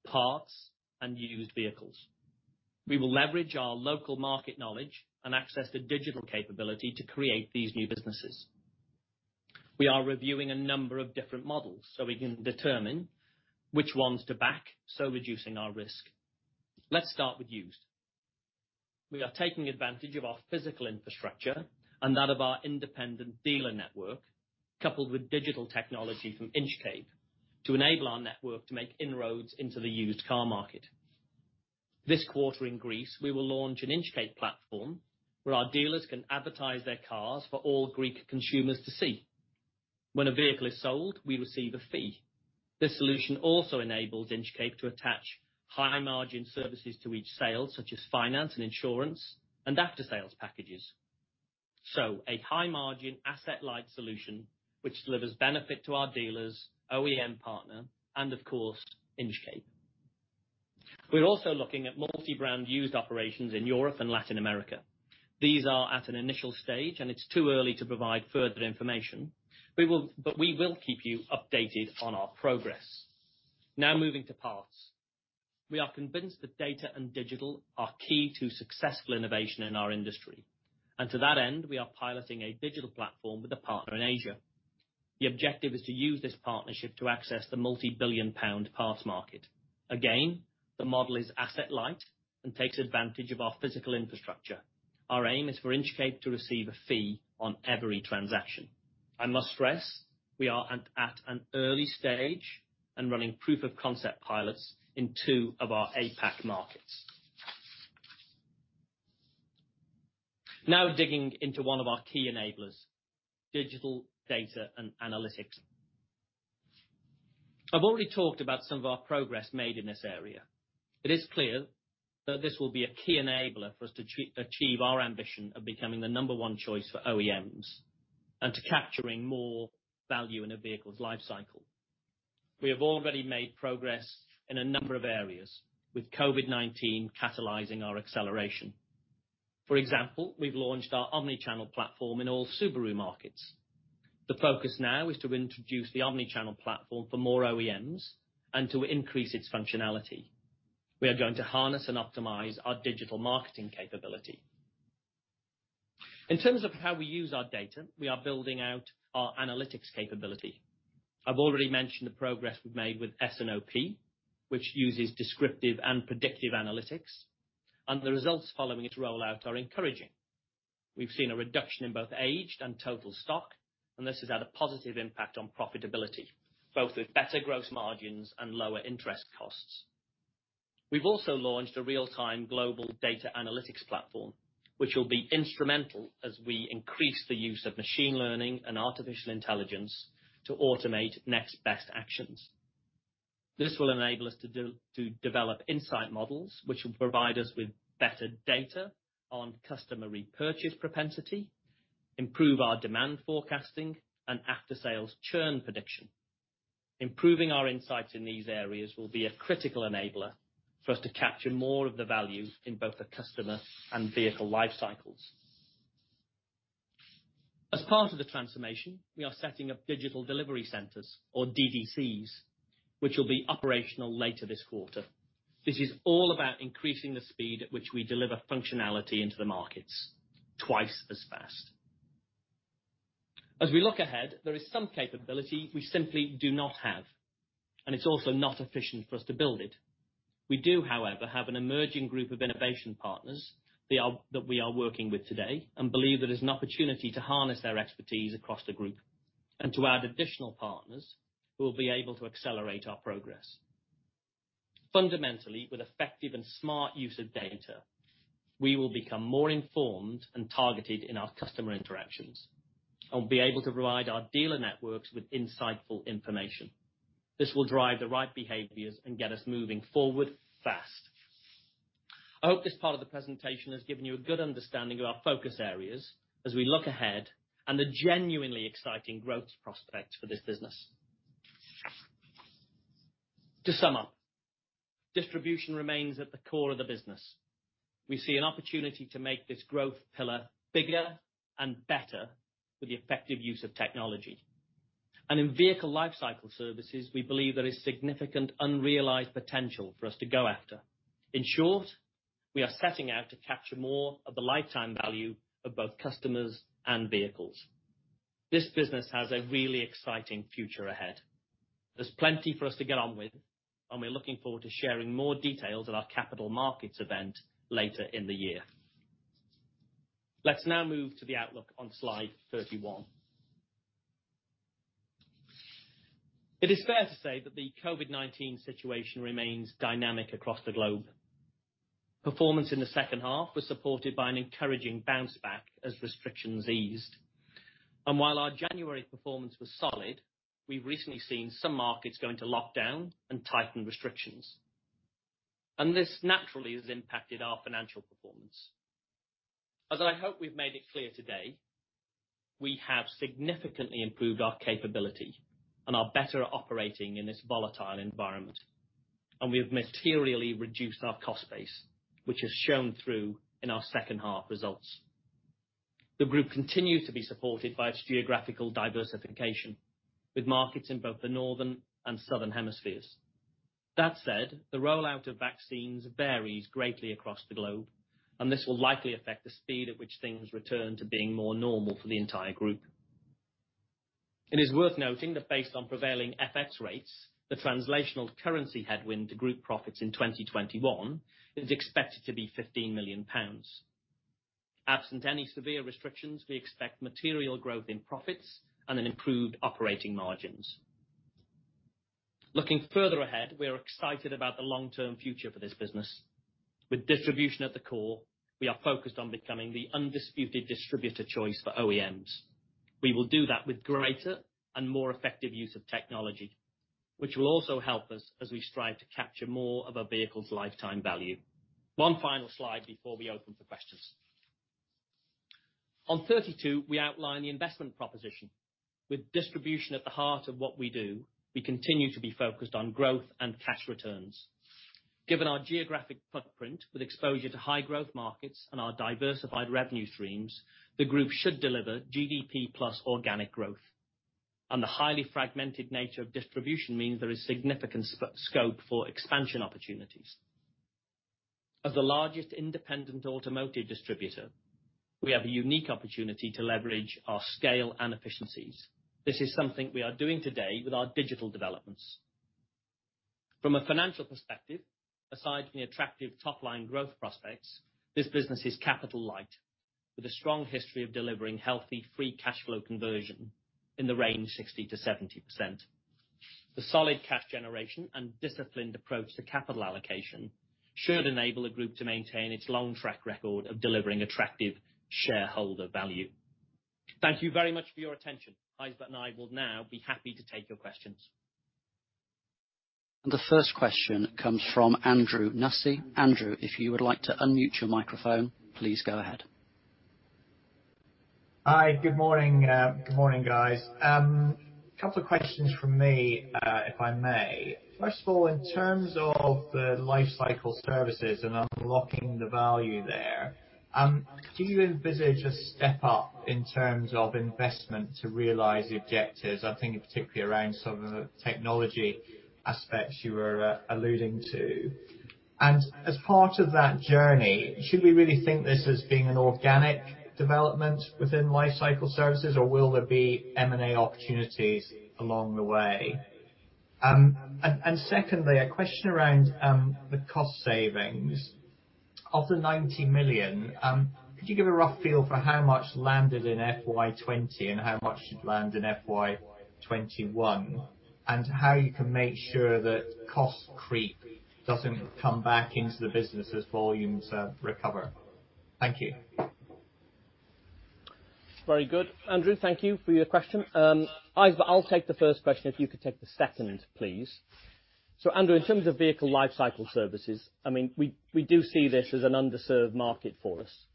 parts and used vehicles. We will leverage our local market knowledge and access to digital capability to create these new businesses. We are reviewing a number of different models. We can determine which ones to back, reducing our risk. Let's start with used. We are taking advantage of our physical infrastructure and that of our independent dealer network, coupled with digital technology from Inchcape, to enable our network to make inroads into the used car market. This quarter in Greece, we will launch an Inchcape platform where our dealers can advertise their cars for all Greek consumers to see. When a vehicle is sold, we receive a fee. This solution also enables Inchcape to attach high margin services to each sale, such as finance and insurance, and aftersales packages. A high margin asset light solution, which delivers benefit to our dealers, OEM partner, and of course, Inchcape. We're also looking at multi-brand used operations in Europe and Latin America. These are at an initial stage, it's too early to provide further information. We will keep you updated on our progress. Now moving to parts. We are convinced that data and digital are key to successful innovation in our industry, to that end, we are piloting a digital platform with a partner in Asia. The objective is to use this partnership to access the multi-billion pound parts market. Again, the model is asset light and takes advantage of our physical infrastructure. Our aim is for Inchcape to receive a fee on every transaction. I must stress, we are at an early stage and running proof of concept pilots in two of our APAC markets. Now digging into one of our key enablers, digital data and analytics. I've already talked about some of our progress made in this area. It is clear that this will be a key enabler for us to achieve our ambition of becoming the number one choice for OEMs, to capturing more value in a vehicle's life cycle. We have already made progress in a number of areas with COVID-19 catalyzing our acceleration. For example, we've launched our omni-channel platform in all Subaru markets. The focus now is to introduce the omni-channel platform for more OEMs and to increase its functionality. We are going to harness and optimize our digital marketing capability. In terms of how we use our data, we are building out our analytics capability. I've already mentioned the progress we've made with S&OP, which uses descriptive and predictive analytics, the results following its rollout are encouraging. We've seen a reduction in both aged and total stock, this has had a positive impact on profitability, both with better gross margins and lower interest costs. We've also launched a real-time global data analytics platform, which will be instrumental as we increase the use of machine learning and artificial intelligence to automate next best actions. This will enable us to develop insight models which will provide us with better data on customer repurchase propensity, improve our demand forecasting, and after-sales churn prediction. Improving our insights in these areas will be a critical enabler for us to capture more of the value in both the customer and vehicle life cycles. As part of the transformation, we are setting up Digital Delivery Centers, or DDCs, which will be operational later this quarter. This is all about increasing the speed at which we deliver functionality into the markets twice as fast. As we look ahead, there is some capability we simply do not have, it's also not efficient for us to build it. We do, however, have an emerging group of innovation partners that we are working with today and believe there is an opportunity to harness their expertise across the group and to add additional partners who will be able to accelerate our progress. Fundamentally, with effective and smart use of data, we will become more informed and targeted in our customer interactions and be able to provide our dealer networks with insightful information. This will drive the right behaviors and get us moving forward fast. I hope this part of the presentation has given you a good understanding of our focus areas as we look ahead and the genuinely exciting growth prospects for this business. To sum up, distribution remains at the core of the business. We see an opportunity to make this growth pillar bigger and better with the effective use of technology. In Vehicle Lifecycle Services, we believe there is significant unrealized potential for us to go after. In short, we are setting out to capture more of the lifetime value of both customers and vehicles. This business has a really exciting future ahead. There's plenty for us to get on with, and we're looking forward to sharing more details at our capital markets event later in the year. Let's now move to the outlook on slide 31. It is fair to say that the COVID-19 situation remains dynamic across the globe. Performance in the second half was supported by an encouraging bounce back as restrictions eased. While our January performance was solid, we've recently seen some markets go into lockdown and tighten restrictions, and this naturally has impacted our financial performance. As I hope we've made it clear today, we have significantly improved our capability and are better at operating in this volatile environment. We've materially reduced our cost base, which has shown through in our second half results. The group continues to be supported by its geographical diversification, with markets in both the northern and southern hemispheres. That said, the rollout of vaccines varies greatly across the globe, and this will likely affect the speed at which things return to being more normal for the entire group. It is worth noting that based on prevailing FX rates, the translational currency headwind to group profits in 2021 is expected to be 15 million pounds. Absent any severe restrictions, we expect material growth in profits and an improved operating margins. Looking further ahead, we are excited about the long-term future for this business. With distribution at the core, we are focused on becoming the undisputed distributor choice for OEMs. We will do that with greater and more effective use of technology, which will also help us as we strive to capture more of a vehicle's lifetime value. One final slide before we open for questions. On 32, we outline the investment proposition. With distribution at the heart of what we do, we continue to be focused on growth and cash returns. Given our geographic footprint with exposure to high growth markets and our diversified revenue streams, the group should deliver GDP plus organic growth. The highly fragmented nature of distribution means there is significant scope for expansion opportunities. As the largest independent automotive distributor, we have a unique opportunity to leverage our scale and efficiencies. This is something we are doing today with our digital developments. From a financial perspective, aside from the attractive top-line growth prospects, this business is capital light with a strong history of delivering healthy free cash flow conversion in the range 60%-70%. The solid cash generation and disciplined approach to capital allocation should enable the group to maintain its long track record of delivering attractive shareholder value. Thank you very much for your attention. Gijsbert and I will now be happy to take your questions. The first question comes from Andrew Nussey. Andrew, if you would like to unmute your microphone, please go ahead. Hi. Good morning. Good morning, guys. Couple of questions from me, if I may. First of all, in terms of the lifecycle services and unlocking the value there, do you envisage a step up in terms of investment to realize the objectives? I'm thinking particularly around some of the technology aspects you were alluding to. As part of that journey, should we really think this as being an organic development within lifecycle services, or will there be M&A opportunities along the way? Secondly, a question around the cost savings. Of the 90 million, could you give a rough feel for how much landed in FY 2020 and how much should land in FY 2021, and how you can make sure that cost creep doesn't come back into the business as volumes recover? Thank you. Very good. Andrew, thank you for your question. Gijsbert, I'll take the first question. If you could take the second, please. Andrew, in terms of vehicle lifecycle services, we do see this as an underserved market for us.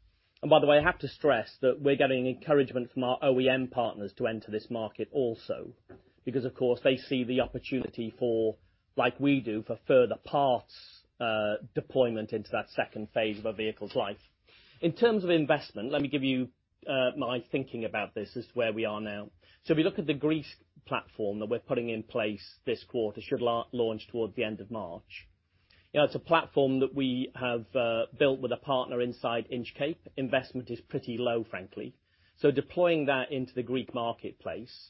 By the way, I have to stress that we're getting encouragement from our OEM partners to enter this market also, because of course, they see the opportunity, like we do, for further parts deployment into that second phase of a vehicle's life. In terms of investment, let me give you my thinking about this as to where we are now. If you look at the Greece platform that we're putting in place this quarter, should launch towards the end of March, it's a platform that we have built with a partner inside Inchcape. Investment is pretty low, frankly. Deploying that into the Greek marketplace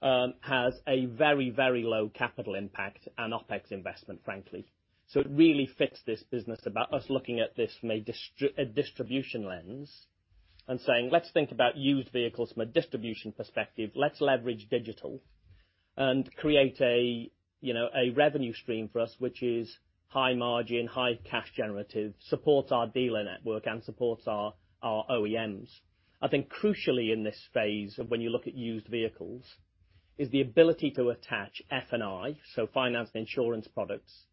has a very low capital impact and OpEx investment, frankly. It really fits this business about us looking at this from a distribution lens and saying, "Let's think about used vehicles from a distribution perspective. Let's leverage digital and create a revenue stream for us, which is high margin, high cash generative, supports our dealer network, and supports our OEMs." I think crucially in this phase of when you look at used vehicles, is the ability to attach F&I, so finance and insurance products,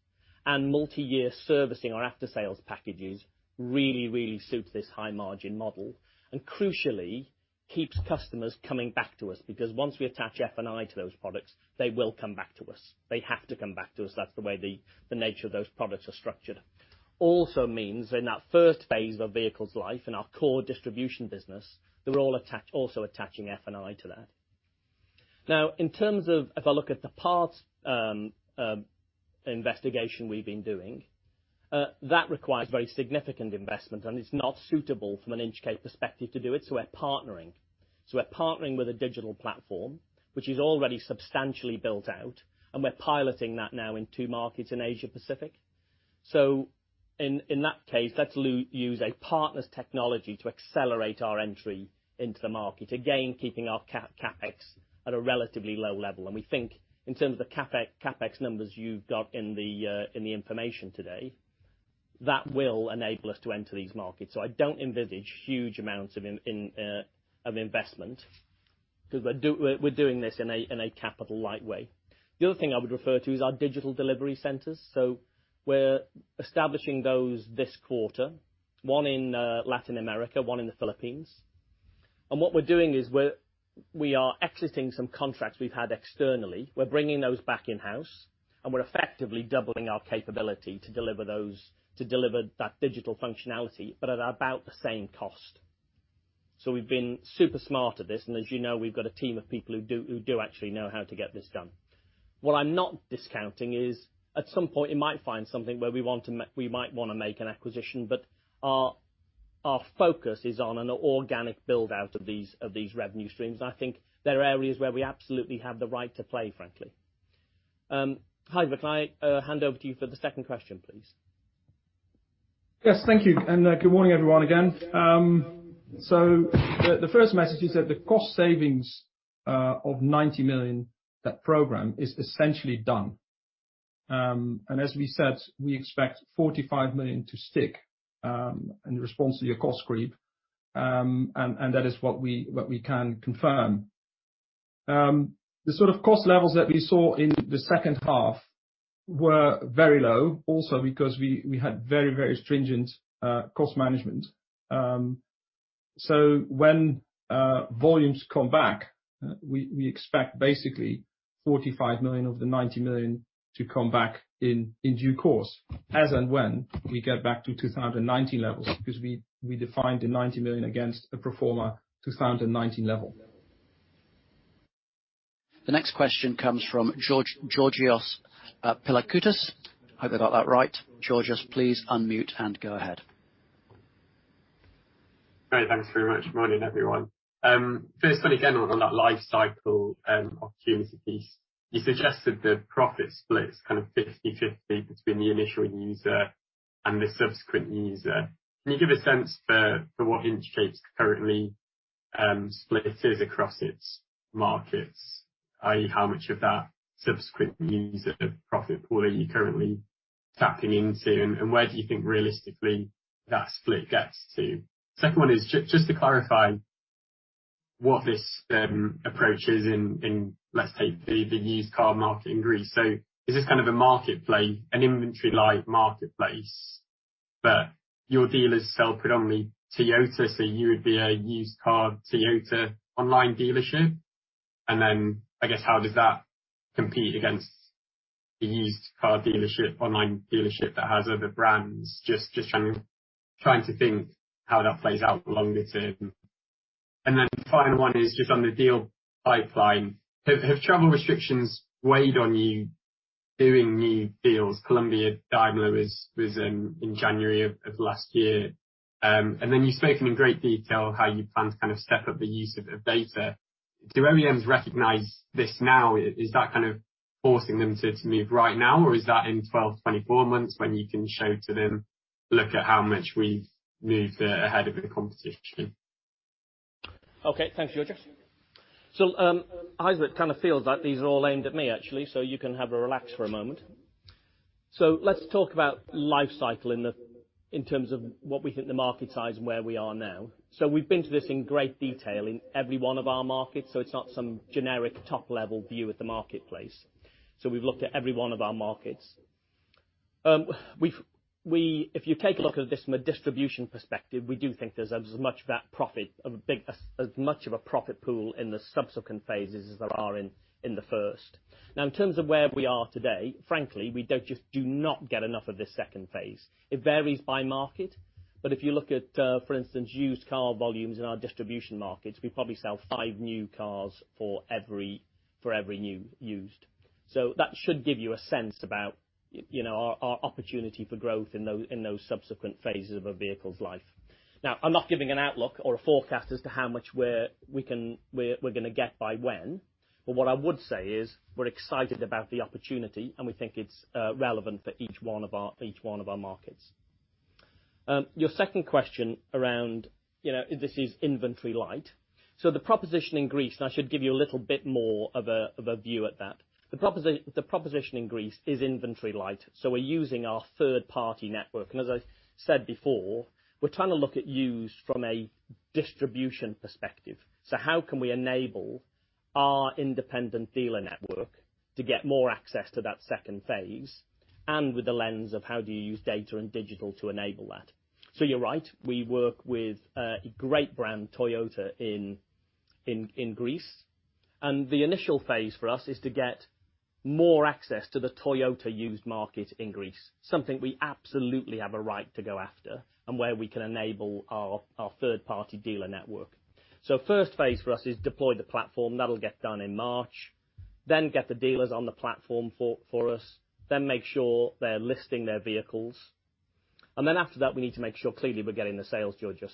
and multi-year servicing or after-sales packages really suit this high margin model. Crucially, keeps customers coming back to us, because once we attach F&I to those products, they will come back to us. They have to come back to us. That's the way the nature of those products are structured. Also means in that first phase of a vehicle's life, in our core distribution business, we're also attaching F&I to that. If I look at the parts investigation we've been doing, that requires very significant investment, and it's not suitable from an Inchcape perspective to do it, so we're partnering. We're partnering with a digital platform, which is already substantially built out, and we're piloting that now in two markets in Asia Pacific. In that case, let's use a partner's technology to accelerate our entry into the market. Again, keeping our CapEx at a relatively low level. We think in terms of the CapEx numbers you've got in the information today, that will enable us to enter these markets. I don't envisage huge amounts of investment because we're doing this in a capital light way. The other thing I would refer to is our digital delivery centers. We're establishing those this quarter. One in Latin America, one in the Philippines. What we're doing is we are exiting some contracts we've had externally. We're bringing those back in-house, and we're effectively doubling our capability to deliver that digital functionality, but at about the same cost. We've been super smart at this, and as you know, we've got a team of people who do actually know how to get this done. What I'm not discounting is, at some point, we might find something where we might want to make an acquisition, but our focus is on an organic build-out of these revenue streams. I think there are areas where we absolutely have the right to play, frankly. Ivo, can I hand over to you for the second question, please? Yes. Thank you. Good morning, everyone, again. The first message is that the cost savings of 90 million, that program is essentially done. As we said, we expect 45 million to stick, in response to your cost creep. That is what we can confirm. The sort of cost levels that we saw in the second half were very low, also because we had very stringent cost management. When volumes come back, we expect basically 45 million of the 90 million to come back in due course as and when we get back to 2019 levels, because we defined the 90 million against a pro forma 2019 level. The next question comes from Georgios Pilakoutas. Hope I got that right. Georgios, please unmute and go ahead. Great. Thanks very much. Morning, everyone. First one again on that life cycle opportunity piece. You suggested the profit split's kind of 50-50 between the initial user and the subsequent user. Can you give a sense for what Inchcape currently splits is across its markets, i.e., how much of that subsequent user profit pool are you currently tapping into, and where do you think realistically that split gets to? Second one is just to clarify what this approach is in, let's take the used car market in Greece. Is this kind of a marketplace, an inventory light marketplace, but your dealers sell predominantly Toyota, so you would be a used car Toyota online dealership? How does that compete against a used car dealership, online dealership that has other brands? Just trying to think how that plays out longer term. Final one is just on the deal pipeline. Have travel restrictions weighed on you doing new deals? Daimler Colombia was in January of last year. You've spoken in great detail how you plan to step up the use of data. Do OEMs recognize this now? Is that forcing them to move right now, or is that in 12-24 months when you can show to them, look at how much we've moved ahead of the competition? Okay. Thanks, Giorgio. Gijsbert, it kind of feels like these are all aimed at me, actually, you can have a relax for a moment. Let's talk about life cycle in terms of what we think the market size and where we are now. We've been through this in great detail in every one of our markets, it's not some generic top-level view of the marketplace. We've looked at every one of our markets. If you take a look at this from a distribution perspective, we do think there's as much of a profit pool in the subsequent phases as there are in the first. In terms of where we are today, frankly, we just do not get enough of this second phase. It varies by market. If you look at, for instance, used car volumes in our distribution markets, we probably sell five new cars for every used. That should give you a sense about our opportunity for growth in those subsequent phases of a vehicle's life. I'm not giving an outlook or a forecast as to how much we're going to get by when, what I would say is we're excited about the opportunity, and we think it's relevant for each one of our markets. Your second question around, this is inventory light. The proposition in Greece, and I should give you a little bit more of a view at that. The proposition in Greece is inventory light. We're using our third-party network. As I said before, we're trying to look at used from a distribution perspective. How can we enable our independent dealer network to get more access to that second phase, and with the lens of how do you use data and digital to enable that? You're right, we work with a great brand, Toyota, in Greece. The initial phase for us is to get more access to the Toyota used market in Greece, something we absolutely have a right to go after, and where we can enable our third-party dealer network. First phase for us is deploy the platform. That will get done in March. Get the dealers on the platform for us, make sure they're listing their vehicles. After that, we need to make sure, clearly, we're getting the sales, Giorgio.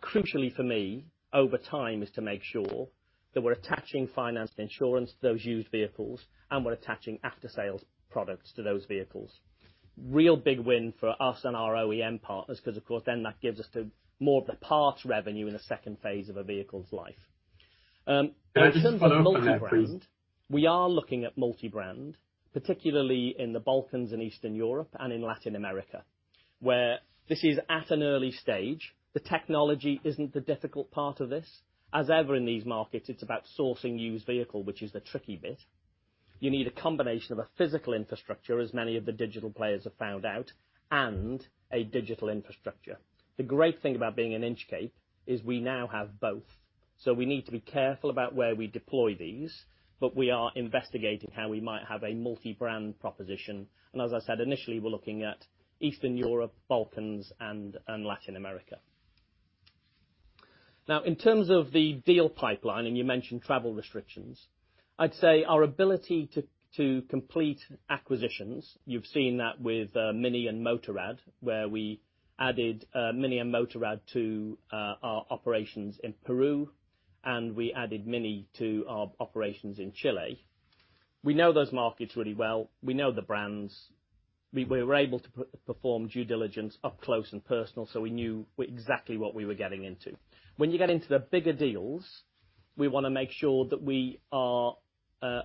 Crucially for me, over time, is to make sure that we're attaching finance and insurance to those used vehicles and we're attaching after-sales products to those vehicles. Real big win for us and our OEM partners because, of course, then that gives us more of the parts revenue in the second phase of a vehicle's life. In terms of multi-brand, we are looking at multi-brand, particularly in the Balkans and Eastern Europe and in Latin America, where this is at an early stage. The technology isn't the difficult part of this. As ever in these markets, it's about sourcing used vehicle, which is the tricky bit. You need a combination of a physical infrastructure, as many of the digital players have found out, and a digital infrastructure. The great thing about being an Inchcape is we now have both. We need to be careful about where we deploy these, we are investigating how we might have a multi-brand proposition. As I said, initially, we're looking at Eastern Europe, Balkans, and Latin America. In terms of the deal pipeline, and you mentioned travel restrictions, I'd say our ability to complete acquisitions, you've seen that with Mini and Motorrad, where we added Mini and Motorrad to our operations in Peru, and we added Mini to our operations in Chile. We know those markets really well. We know the brands. We were able to perform due diligence up close and personal, we knew exactly what we were getting into. When you get into the bigger deals, we want to make sure that we are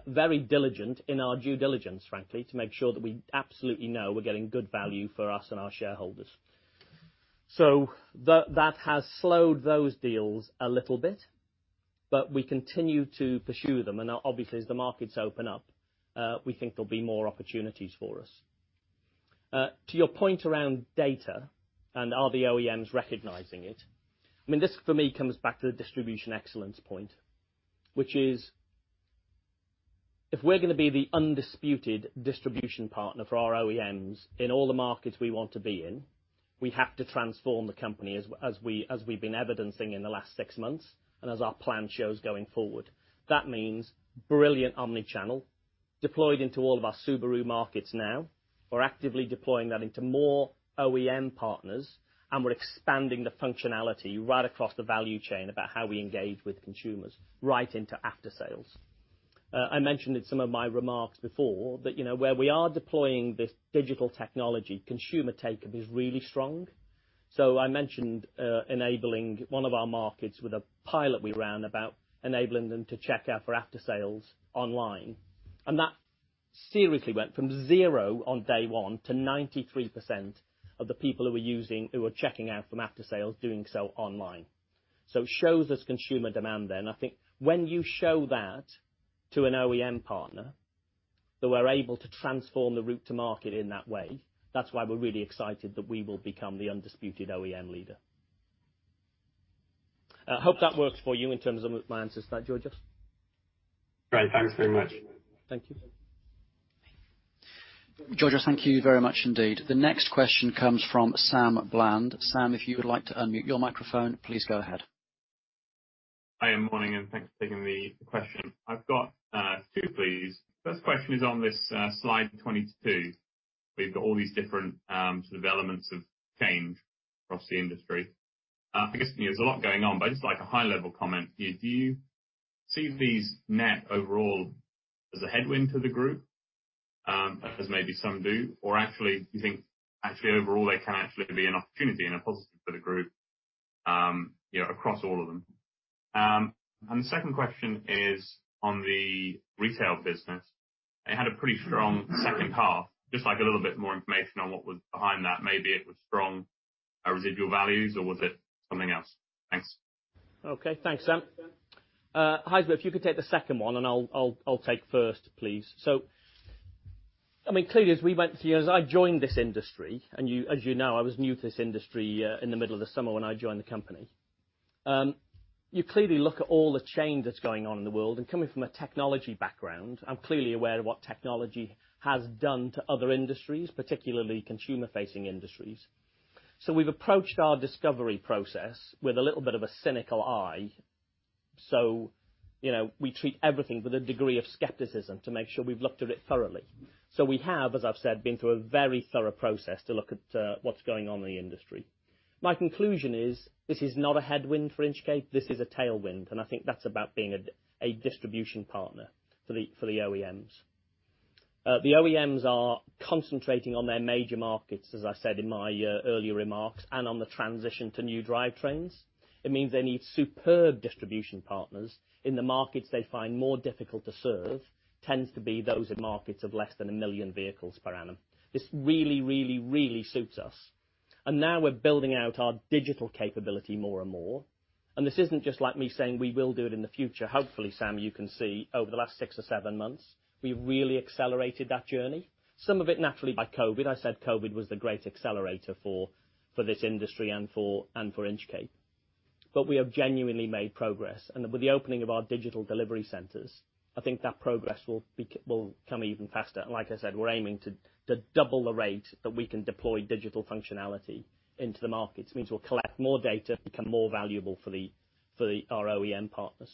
very diligent in our due diligence, frankly, to make sure that we absolutely know we're getting good value for us and our shareholders. That has slowed those deals a little bit, but we continue to pursue them. Obviously, as the markets open up, we think there'll be more opportunities for us. To your point around data and are the OEMs recognizing it, this, for me, comes back to the distribution excellence point, which is if we're going to be the undisputed distribution partner for our OEMs in all the markets we want to be in, we have to transform the company as we've been evidencing in the last six months and as our plan shows going forward. That means brilliant omni-channel deployed into all of our Subaru markets now. We're actively deploying that into more OEM partners, and we're expanding the functionality right across the value chain about how we engage with consumers right into after sales. I mentioned in some of my remarks before that where we are deploying this digital technology, consumer take-up is really strong. I mentioned enabling one of our markets with a pilot we ran about enabling them to check out for after sales online. That seriously went from zero on day one to 93% of the people who were checking out from after sales doing so online. It shows there's consumer demand there. I think when you show that to an OEM partner, that we're able to transform the route to market in that way, that's why we're really excited that we will become the undisputed OEM leader. I hope that works for you in terms of my answers to that, Giorgio. Great. Thanks very much. Thank you. Giorgio, thank you very much indeed. The next question comes from Sam Bland. Sam, if you would like to unmute your microphone, please go ahead. Hi, morning. Thanks for taking the question. I've got two, please. First question is on this slide 22. Where you've got all these different sort of elements of change across the industry. I guess there's a lot going on, but I'd just like a high level comment. Do you see these net overall as a headwind to the group? As maybe some do, or actually you think actually overall they can actually be an opportunity and a positive for the group, across all of them. The second question is on the retail business. It had a pretty strong second half, just like a little bit more information on what was behind that. Maybe it was strong residual values or was it something else? Thanks. Okay. Thanks, Sam. Gijsbert, if you could take the second one and I'll take first, please. Clearly as we went through, as I joined this industry and as you know, I was new to this industry, in the middle of the summer when I joined the company. You clearly look at all the change that's going on in the world. Coming from a technology background, I'm clearly aware of what technology has done to other industries, particularly consumer facing industries. We've approached our discovery process with a little bit of a cynical eye. We treat everything with a degree of skepticism to make sure we've looked at it thoroughly. We have, as I've said, been through a very thorough process to look at what's going on in the industry. My conclusion is, this is not a headwind for Inchcape, this is a tailwind. I think that's about being a distribution partner for the OEMs. The OEMs are concentrating on their major markets, as I said in my earlier remarks, on the transition to new drivetrains. It means they need superb distribution partners in the markets they find more difficult to serve, tends to be those in markets of less than 1 million vehicles per annum. This really suits us. Now we're building out our digital capability more and more. This isn't just like me saying we will do it in the future. Hopefully, Sam, you can see over the last six or seven months, we've really accelerated that journey. Some of it naturally by COVID. I said COVID was the great accelerator for this industry and for Inchcape. We have genuinely made progress. With the opening of our Digital Delivery Centers, I think that progress will come even faster. Like I said, we're aiming to double the rate that we can deploy digital functionality into the markets. This means we'll collect more data, become more valuable for our OEM partners.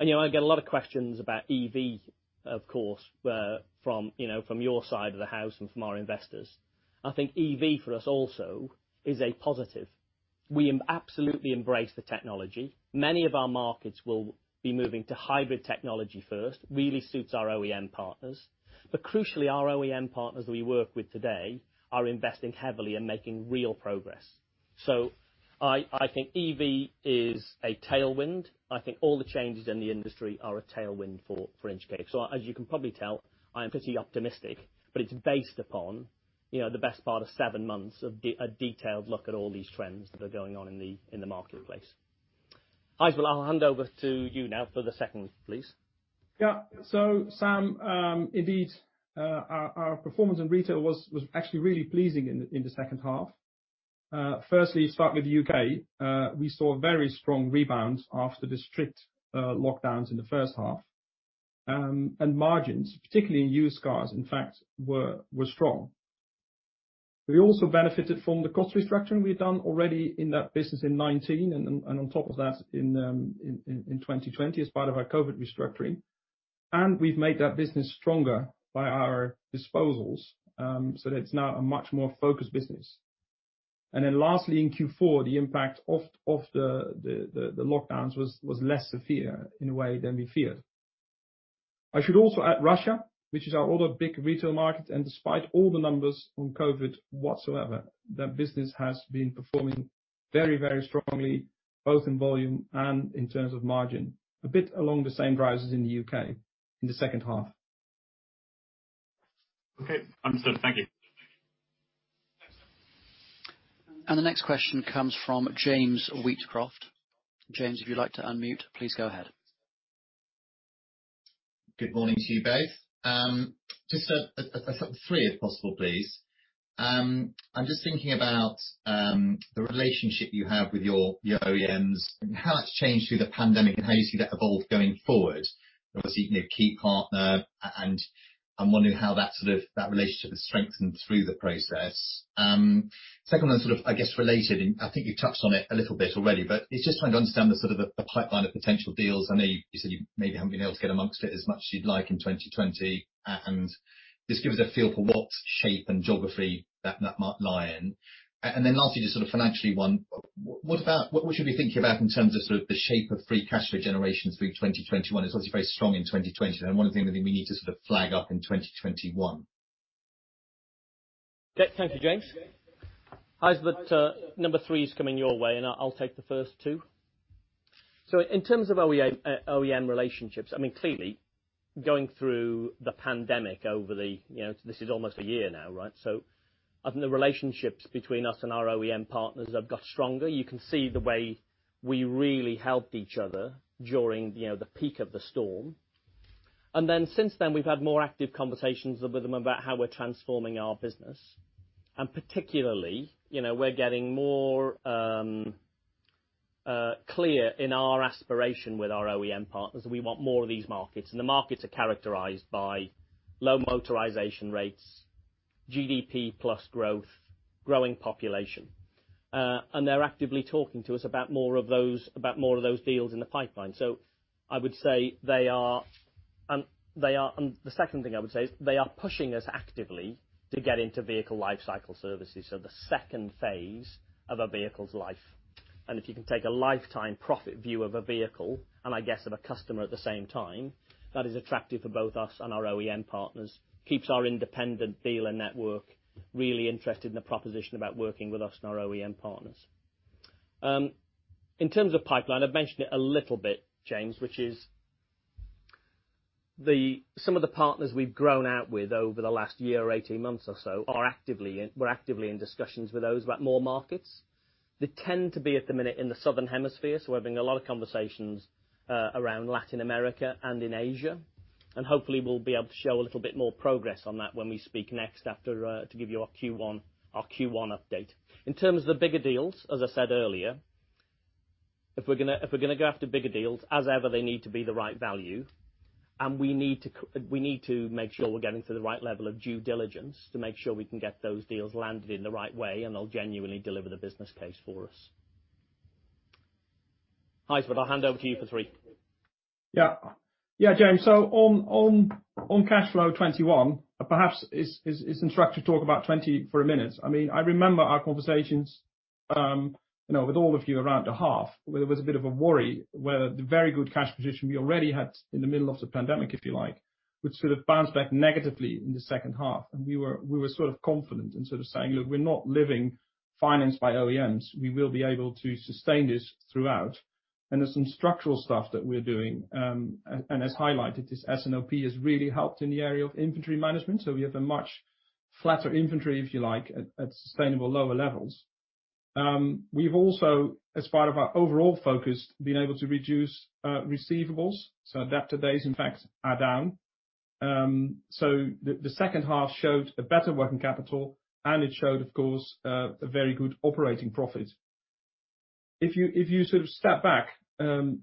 I get a lot of questions about EV, of course, from your side of the house and from our investors. I think EV for us also is a positive. We absolutely embrace the technology. Many of our markets will be moving to hybrid technology first, really suits our OEM partners. Crucially, our OEM partners we work with today are investing heavily in making real progress. I think EV is a tailwind. I think all the changes in the industry are a tailwind for Inchcape. As you can probably tell, I am pretty optimistic, but it's based upon the best part of seven months of a detailed look at all these trends that are going on in the marketplace. Gijsbert, I'll hand over to you now for the second, please. Sam, indeed, our performance in retail was actually really pleasing in the second half. Firstly, start with the U.K. We saw a very strong rebound after the strict lockdowns in the first half. Margins, particularly in used cars, in fact, were strong. We also benefited from the cost restructuring we've done already in that business in 2019 and on top of that in 2020 as part of our COVID restructuring. We've made that business stronger by our disposals. It's now a much more focused business. Lastly, in Q4, the impact of the lockdowns was less severe in a way than we feared. I should also add Russia, which is our other big retail market, and despite all the numbers on COVID whatsoever, that business has been performing very, very strongly, both in volume and in terms of margin, a bit along the same rises in the U.K. in the second half. Okay. Understood. Thank you. The next question comes from James Wheatcroft. James, if you'd like to unmute, please go ahead. Good morning to you both. Just three if possible, please. I'm just thinking about, the relationship you have with your OEMs and how that's changed through the pandemic and how you see that evolved going forward. Obviously, a key partner, and I'm wondering how that relationship has strengthened through the process. Second one's sort of, I guess, related, and I think you touched on it a little bit already, but it's just trying to understand the sort of the pipeline of potential deals. I know you said you maybe haven't been able to get amongst it as much as you'd like in 2020. Just give us a feel for what shape and geography that might lie in. Then lastly, just sort of financially one, what should we be thinking about in terms of sort of the shape of free cash flow generation through 2021? It's obviously very strong in 2020. One of the things I think we need to sort of flag up in 2021. Thank you, James. Gijsbert, number three is coming your way, I'll take the first two. In terms of OEM relationships, clearly going through the pandemic. This is almost a year now, right? I think the relationships between us and our OEM partners have got stronger. You can see the way we really helped each other during the peak of the storm. Then since then, we've had more active conversations with them about how we're transforming our business. Particularly, we're getting more clear in our aspiration with our OEM partners that we want more of these markets, and the markets are characterized by low motorization rates GDP plus growth, growing population. They're actively talking to us about more of those deals in the pipeline. I would say they are. The second thing I would say is they are pushing us actively to get into vehicle lifecycle services. The second phase of a vehicle's life. If you can take a lifetime profit view of a vehicle, and I guess of a customer at the same time, that is attractive for both us and our OEM partners, keeps our independent dealer network really interested in the proposition about working with us and our OEM partners. In terms of pipeline, I've mentioned it a little bit, James, which is some of the partners we've grown out with over the last year or 18 months or so, we're actively in discussions with those about more markets. They tend to be, at the minute, in the southern hemisphere. We're having a lot of conversations around Latin America and in Asia. Hopefully, we'll be able to show a little bit more progress on that when we speak next to give you our Q1 update. In terms of the bigger deals, as I said earlier, if we're going to go after bigger deals, as ever, they need to be the right value. We need to make sure we're getting to the right level of due diligence to make sure we can get those deals landed in the right way and they'll genuinely deliver the business case for us. Gijsbert, I'll hand over to you for 3. Yeah. James, on cash flow 2021, perhaps it's instructive to talk about 2020 for a minute. I remember our conversations with all of you around the half, where there was a bit of a worry where the very good cash position we already had in the middle of the pandemic, if you like, would sort of bounce back negatively in the second half. We were sort of confident in saying, "Look, we're not living financed by OEMs. We will be able to sustain this throughout." There's some structural stuff that we're doing. As highlighted, this S&OP has really helped in the area of inventory management. We have a much flatter inventory, if you like, at sustainable lower levels. We've also, as part of our overall focus, been able to reduce receivables, so debtor days, in fact, are down. The second half showed a better working capital, and it showed, of course, a very good operating profit. If you sort of step back,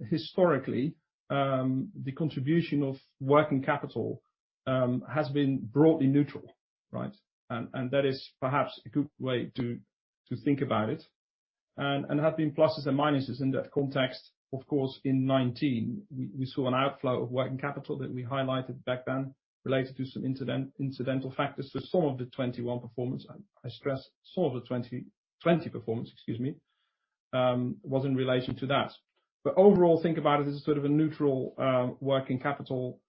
historically, the contribution of working capital has been broadly neutral, right? That is perhaps a good way to think about it. There have been pluses and minuses in that context. Of course, in 2019, we saw an outflow of working capital that we highlighted back then related to some incidental factors. Some of the 2021 performance, I stress, some of the 2020 performance, excuse me, was in relation to that. Overall, think about it as a sort of neutral working capital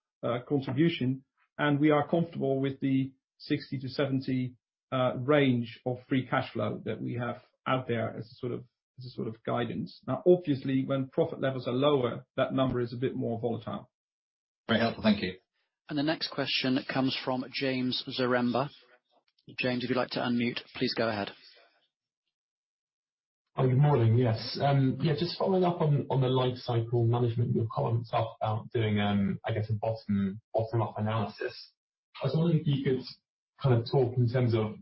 contribution, and we are comfortable with the 60 million-70 million range of free cash flow that we have out there as a sort of guidance. Obviously, when profit levels are lower, that number is a bit more volatile. Very helpful. Thank you. The next question comes from James Zaremba. James, if you'd like to unmute, please go ahead. Good morning. Yes. Just following up on the life cycle management, your comments about doing, I guess, a bottom-up analysis. I was wondering if you could talk in terms of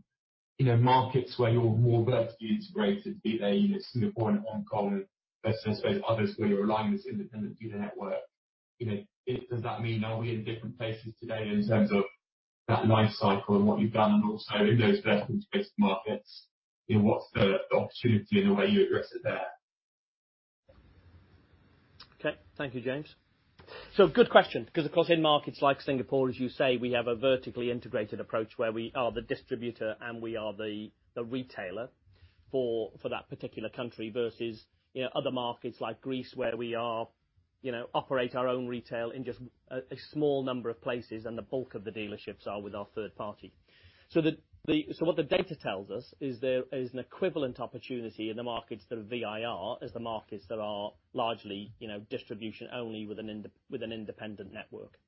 markets where you're more vertically integrated, be it Singapore and Hong Kong, versus those others where you're relying on this independent dealer network. Does that mean are we in different places today in terms of that life cycle and what you've done? Also in those vertically integrated markets, what's the opportunity and the way you address it there? Okay. Thank you, James. Good question, because, of course, in markets like Singapore, as you say, we have a vertically integrated approach where we are the distributor and we are the retailer for that particular country, versus other markets like Greece where we operate our own retail in just a small number of places, and the bulk of the dealerships are with our third party. What the data tells us is there is an equivalent opportunity in the markets that are VIR as the markets that are largely distribution only with an independent network.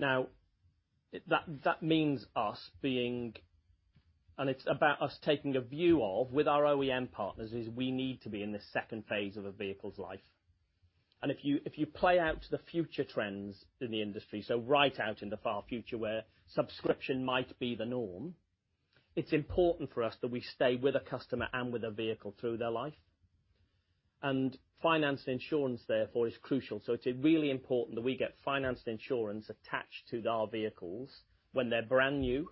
That means us being. It's about us taking a view of, with our OEM partners, is we need to be in the second phase of a vehicle's life. If you play out to the future trends in the industry, right out in the far future where subscription might be the norm, it's important for us that we stay with a customer and with a vehicle through their life. Finance insurance, therefore, is crucial. It is really important that we get finance insurance attached to our vehicles when they're brand new,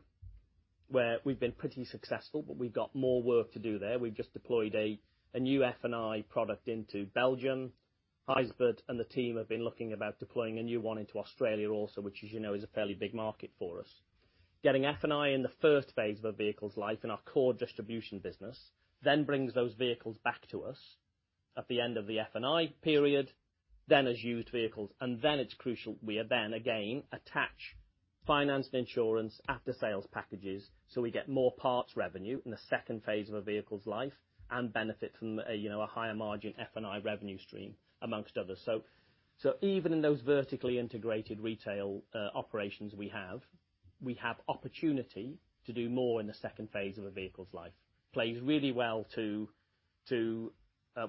where we've been pretty successful, but we've got more work to do there. We've just deployed a new F&I product into Belgium. Gijsbert and the team have been looking about deploying a new one into Australia also, which as you know, is a fairly big market for us. Getting F&I in the first phase of a vehicle's life in our core distribution business brings those vehicles back to us at the end of the F&I period. As used vehicles, it's crucial we again attach finance and insurance after-sales packages so we get more parts revenue in the second phase of a vehicle's life and benefit from a higher margin F&I revenue stream, amongst others. Even in those vertically integrated retail operations we have, we have opportunity to do more in the second phase of a vehicle's life. Plays really well to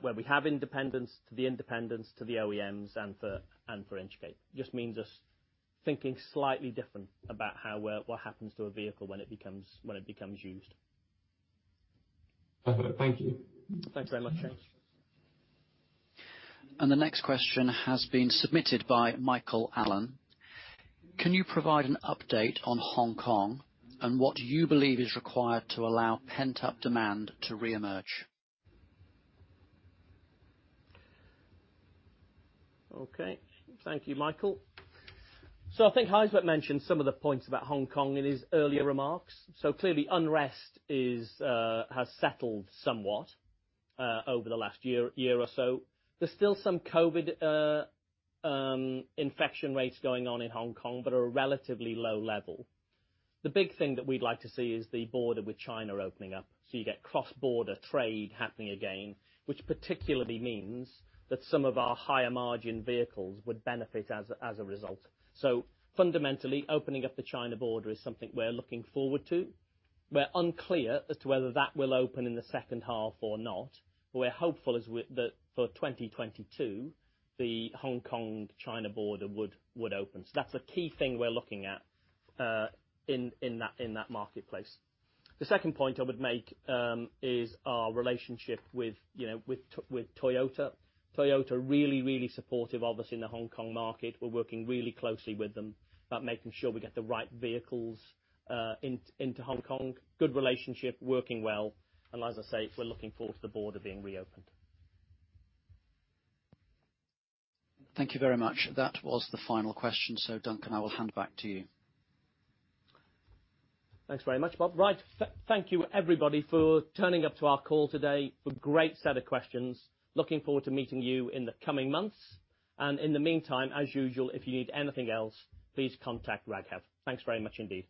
where we have independence, to the independence, to the OEMs, and for Inchcape. Just means us thinking slightly different about what happens to a vehicle when it becomes used. Perfect. Thank you. Thanks very much, James. The next question has been submitted by Michael Allen. Can you provide an update on Hong Kong and what you believe is required to allow pent-up demand to reemerge? Okay. Thank you, Michael. I think Gijsbert mentioned some of the points about Hong Kong in his earlier remarks. Clearly unrest has settled somewhat over the last year or so. There's still some COVID infection rates going on in Hong Kong, but are relatively low level. The big thing that we'd like to see is the border with China opening up, so you get cross-border trade happening again, which particularly means that some of our higher margin vehicles would benefit as a result. Fundamentally, opening up the China border is something we're looking forward to. We're unclear as to whether that will open in the second half or not. We're hopeful that for 2022, the Hong Kong-China border would open. That's a key thing we're looking at in that marketplace. The second point I would make is our relationship with Toyota. Toyota are really supportive of us in the Hong Kong market. We're working really closely with them about making sure we get the right vehicles into Hong Kong. Good relationship, working well, and as I say, we're looking forward to the border being reopened. Thank you very much. That was the final question. Duncan, I will hand back to you. Thanks very much, Raghav. Right. Thank you everybody for turning up to our call today, for a great set of questions. Looking forward to meeting you in the coming months. In the meantime, as usual, if you need anything else, please contact Raghav. Thanks very much indeed.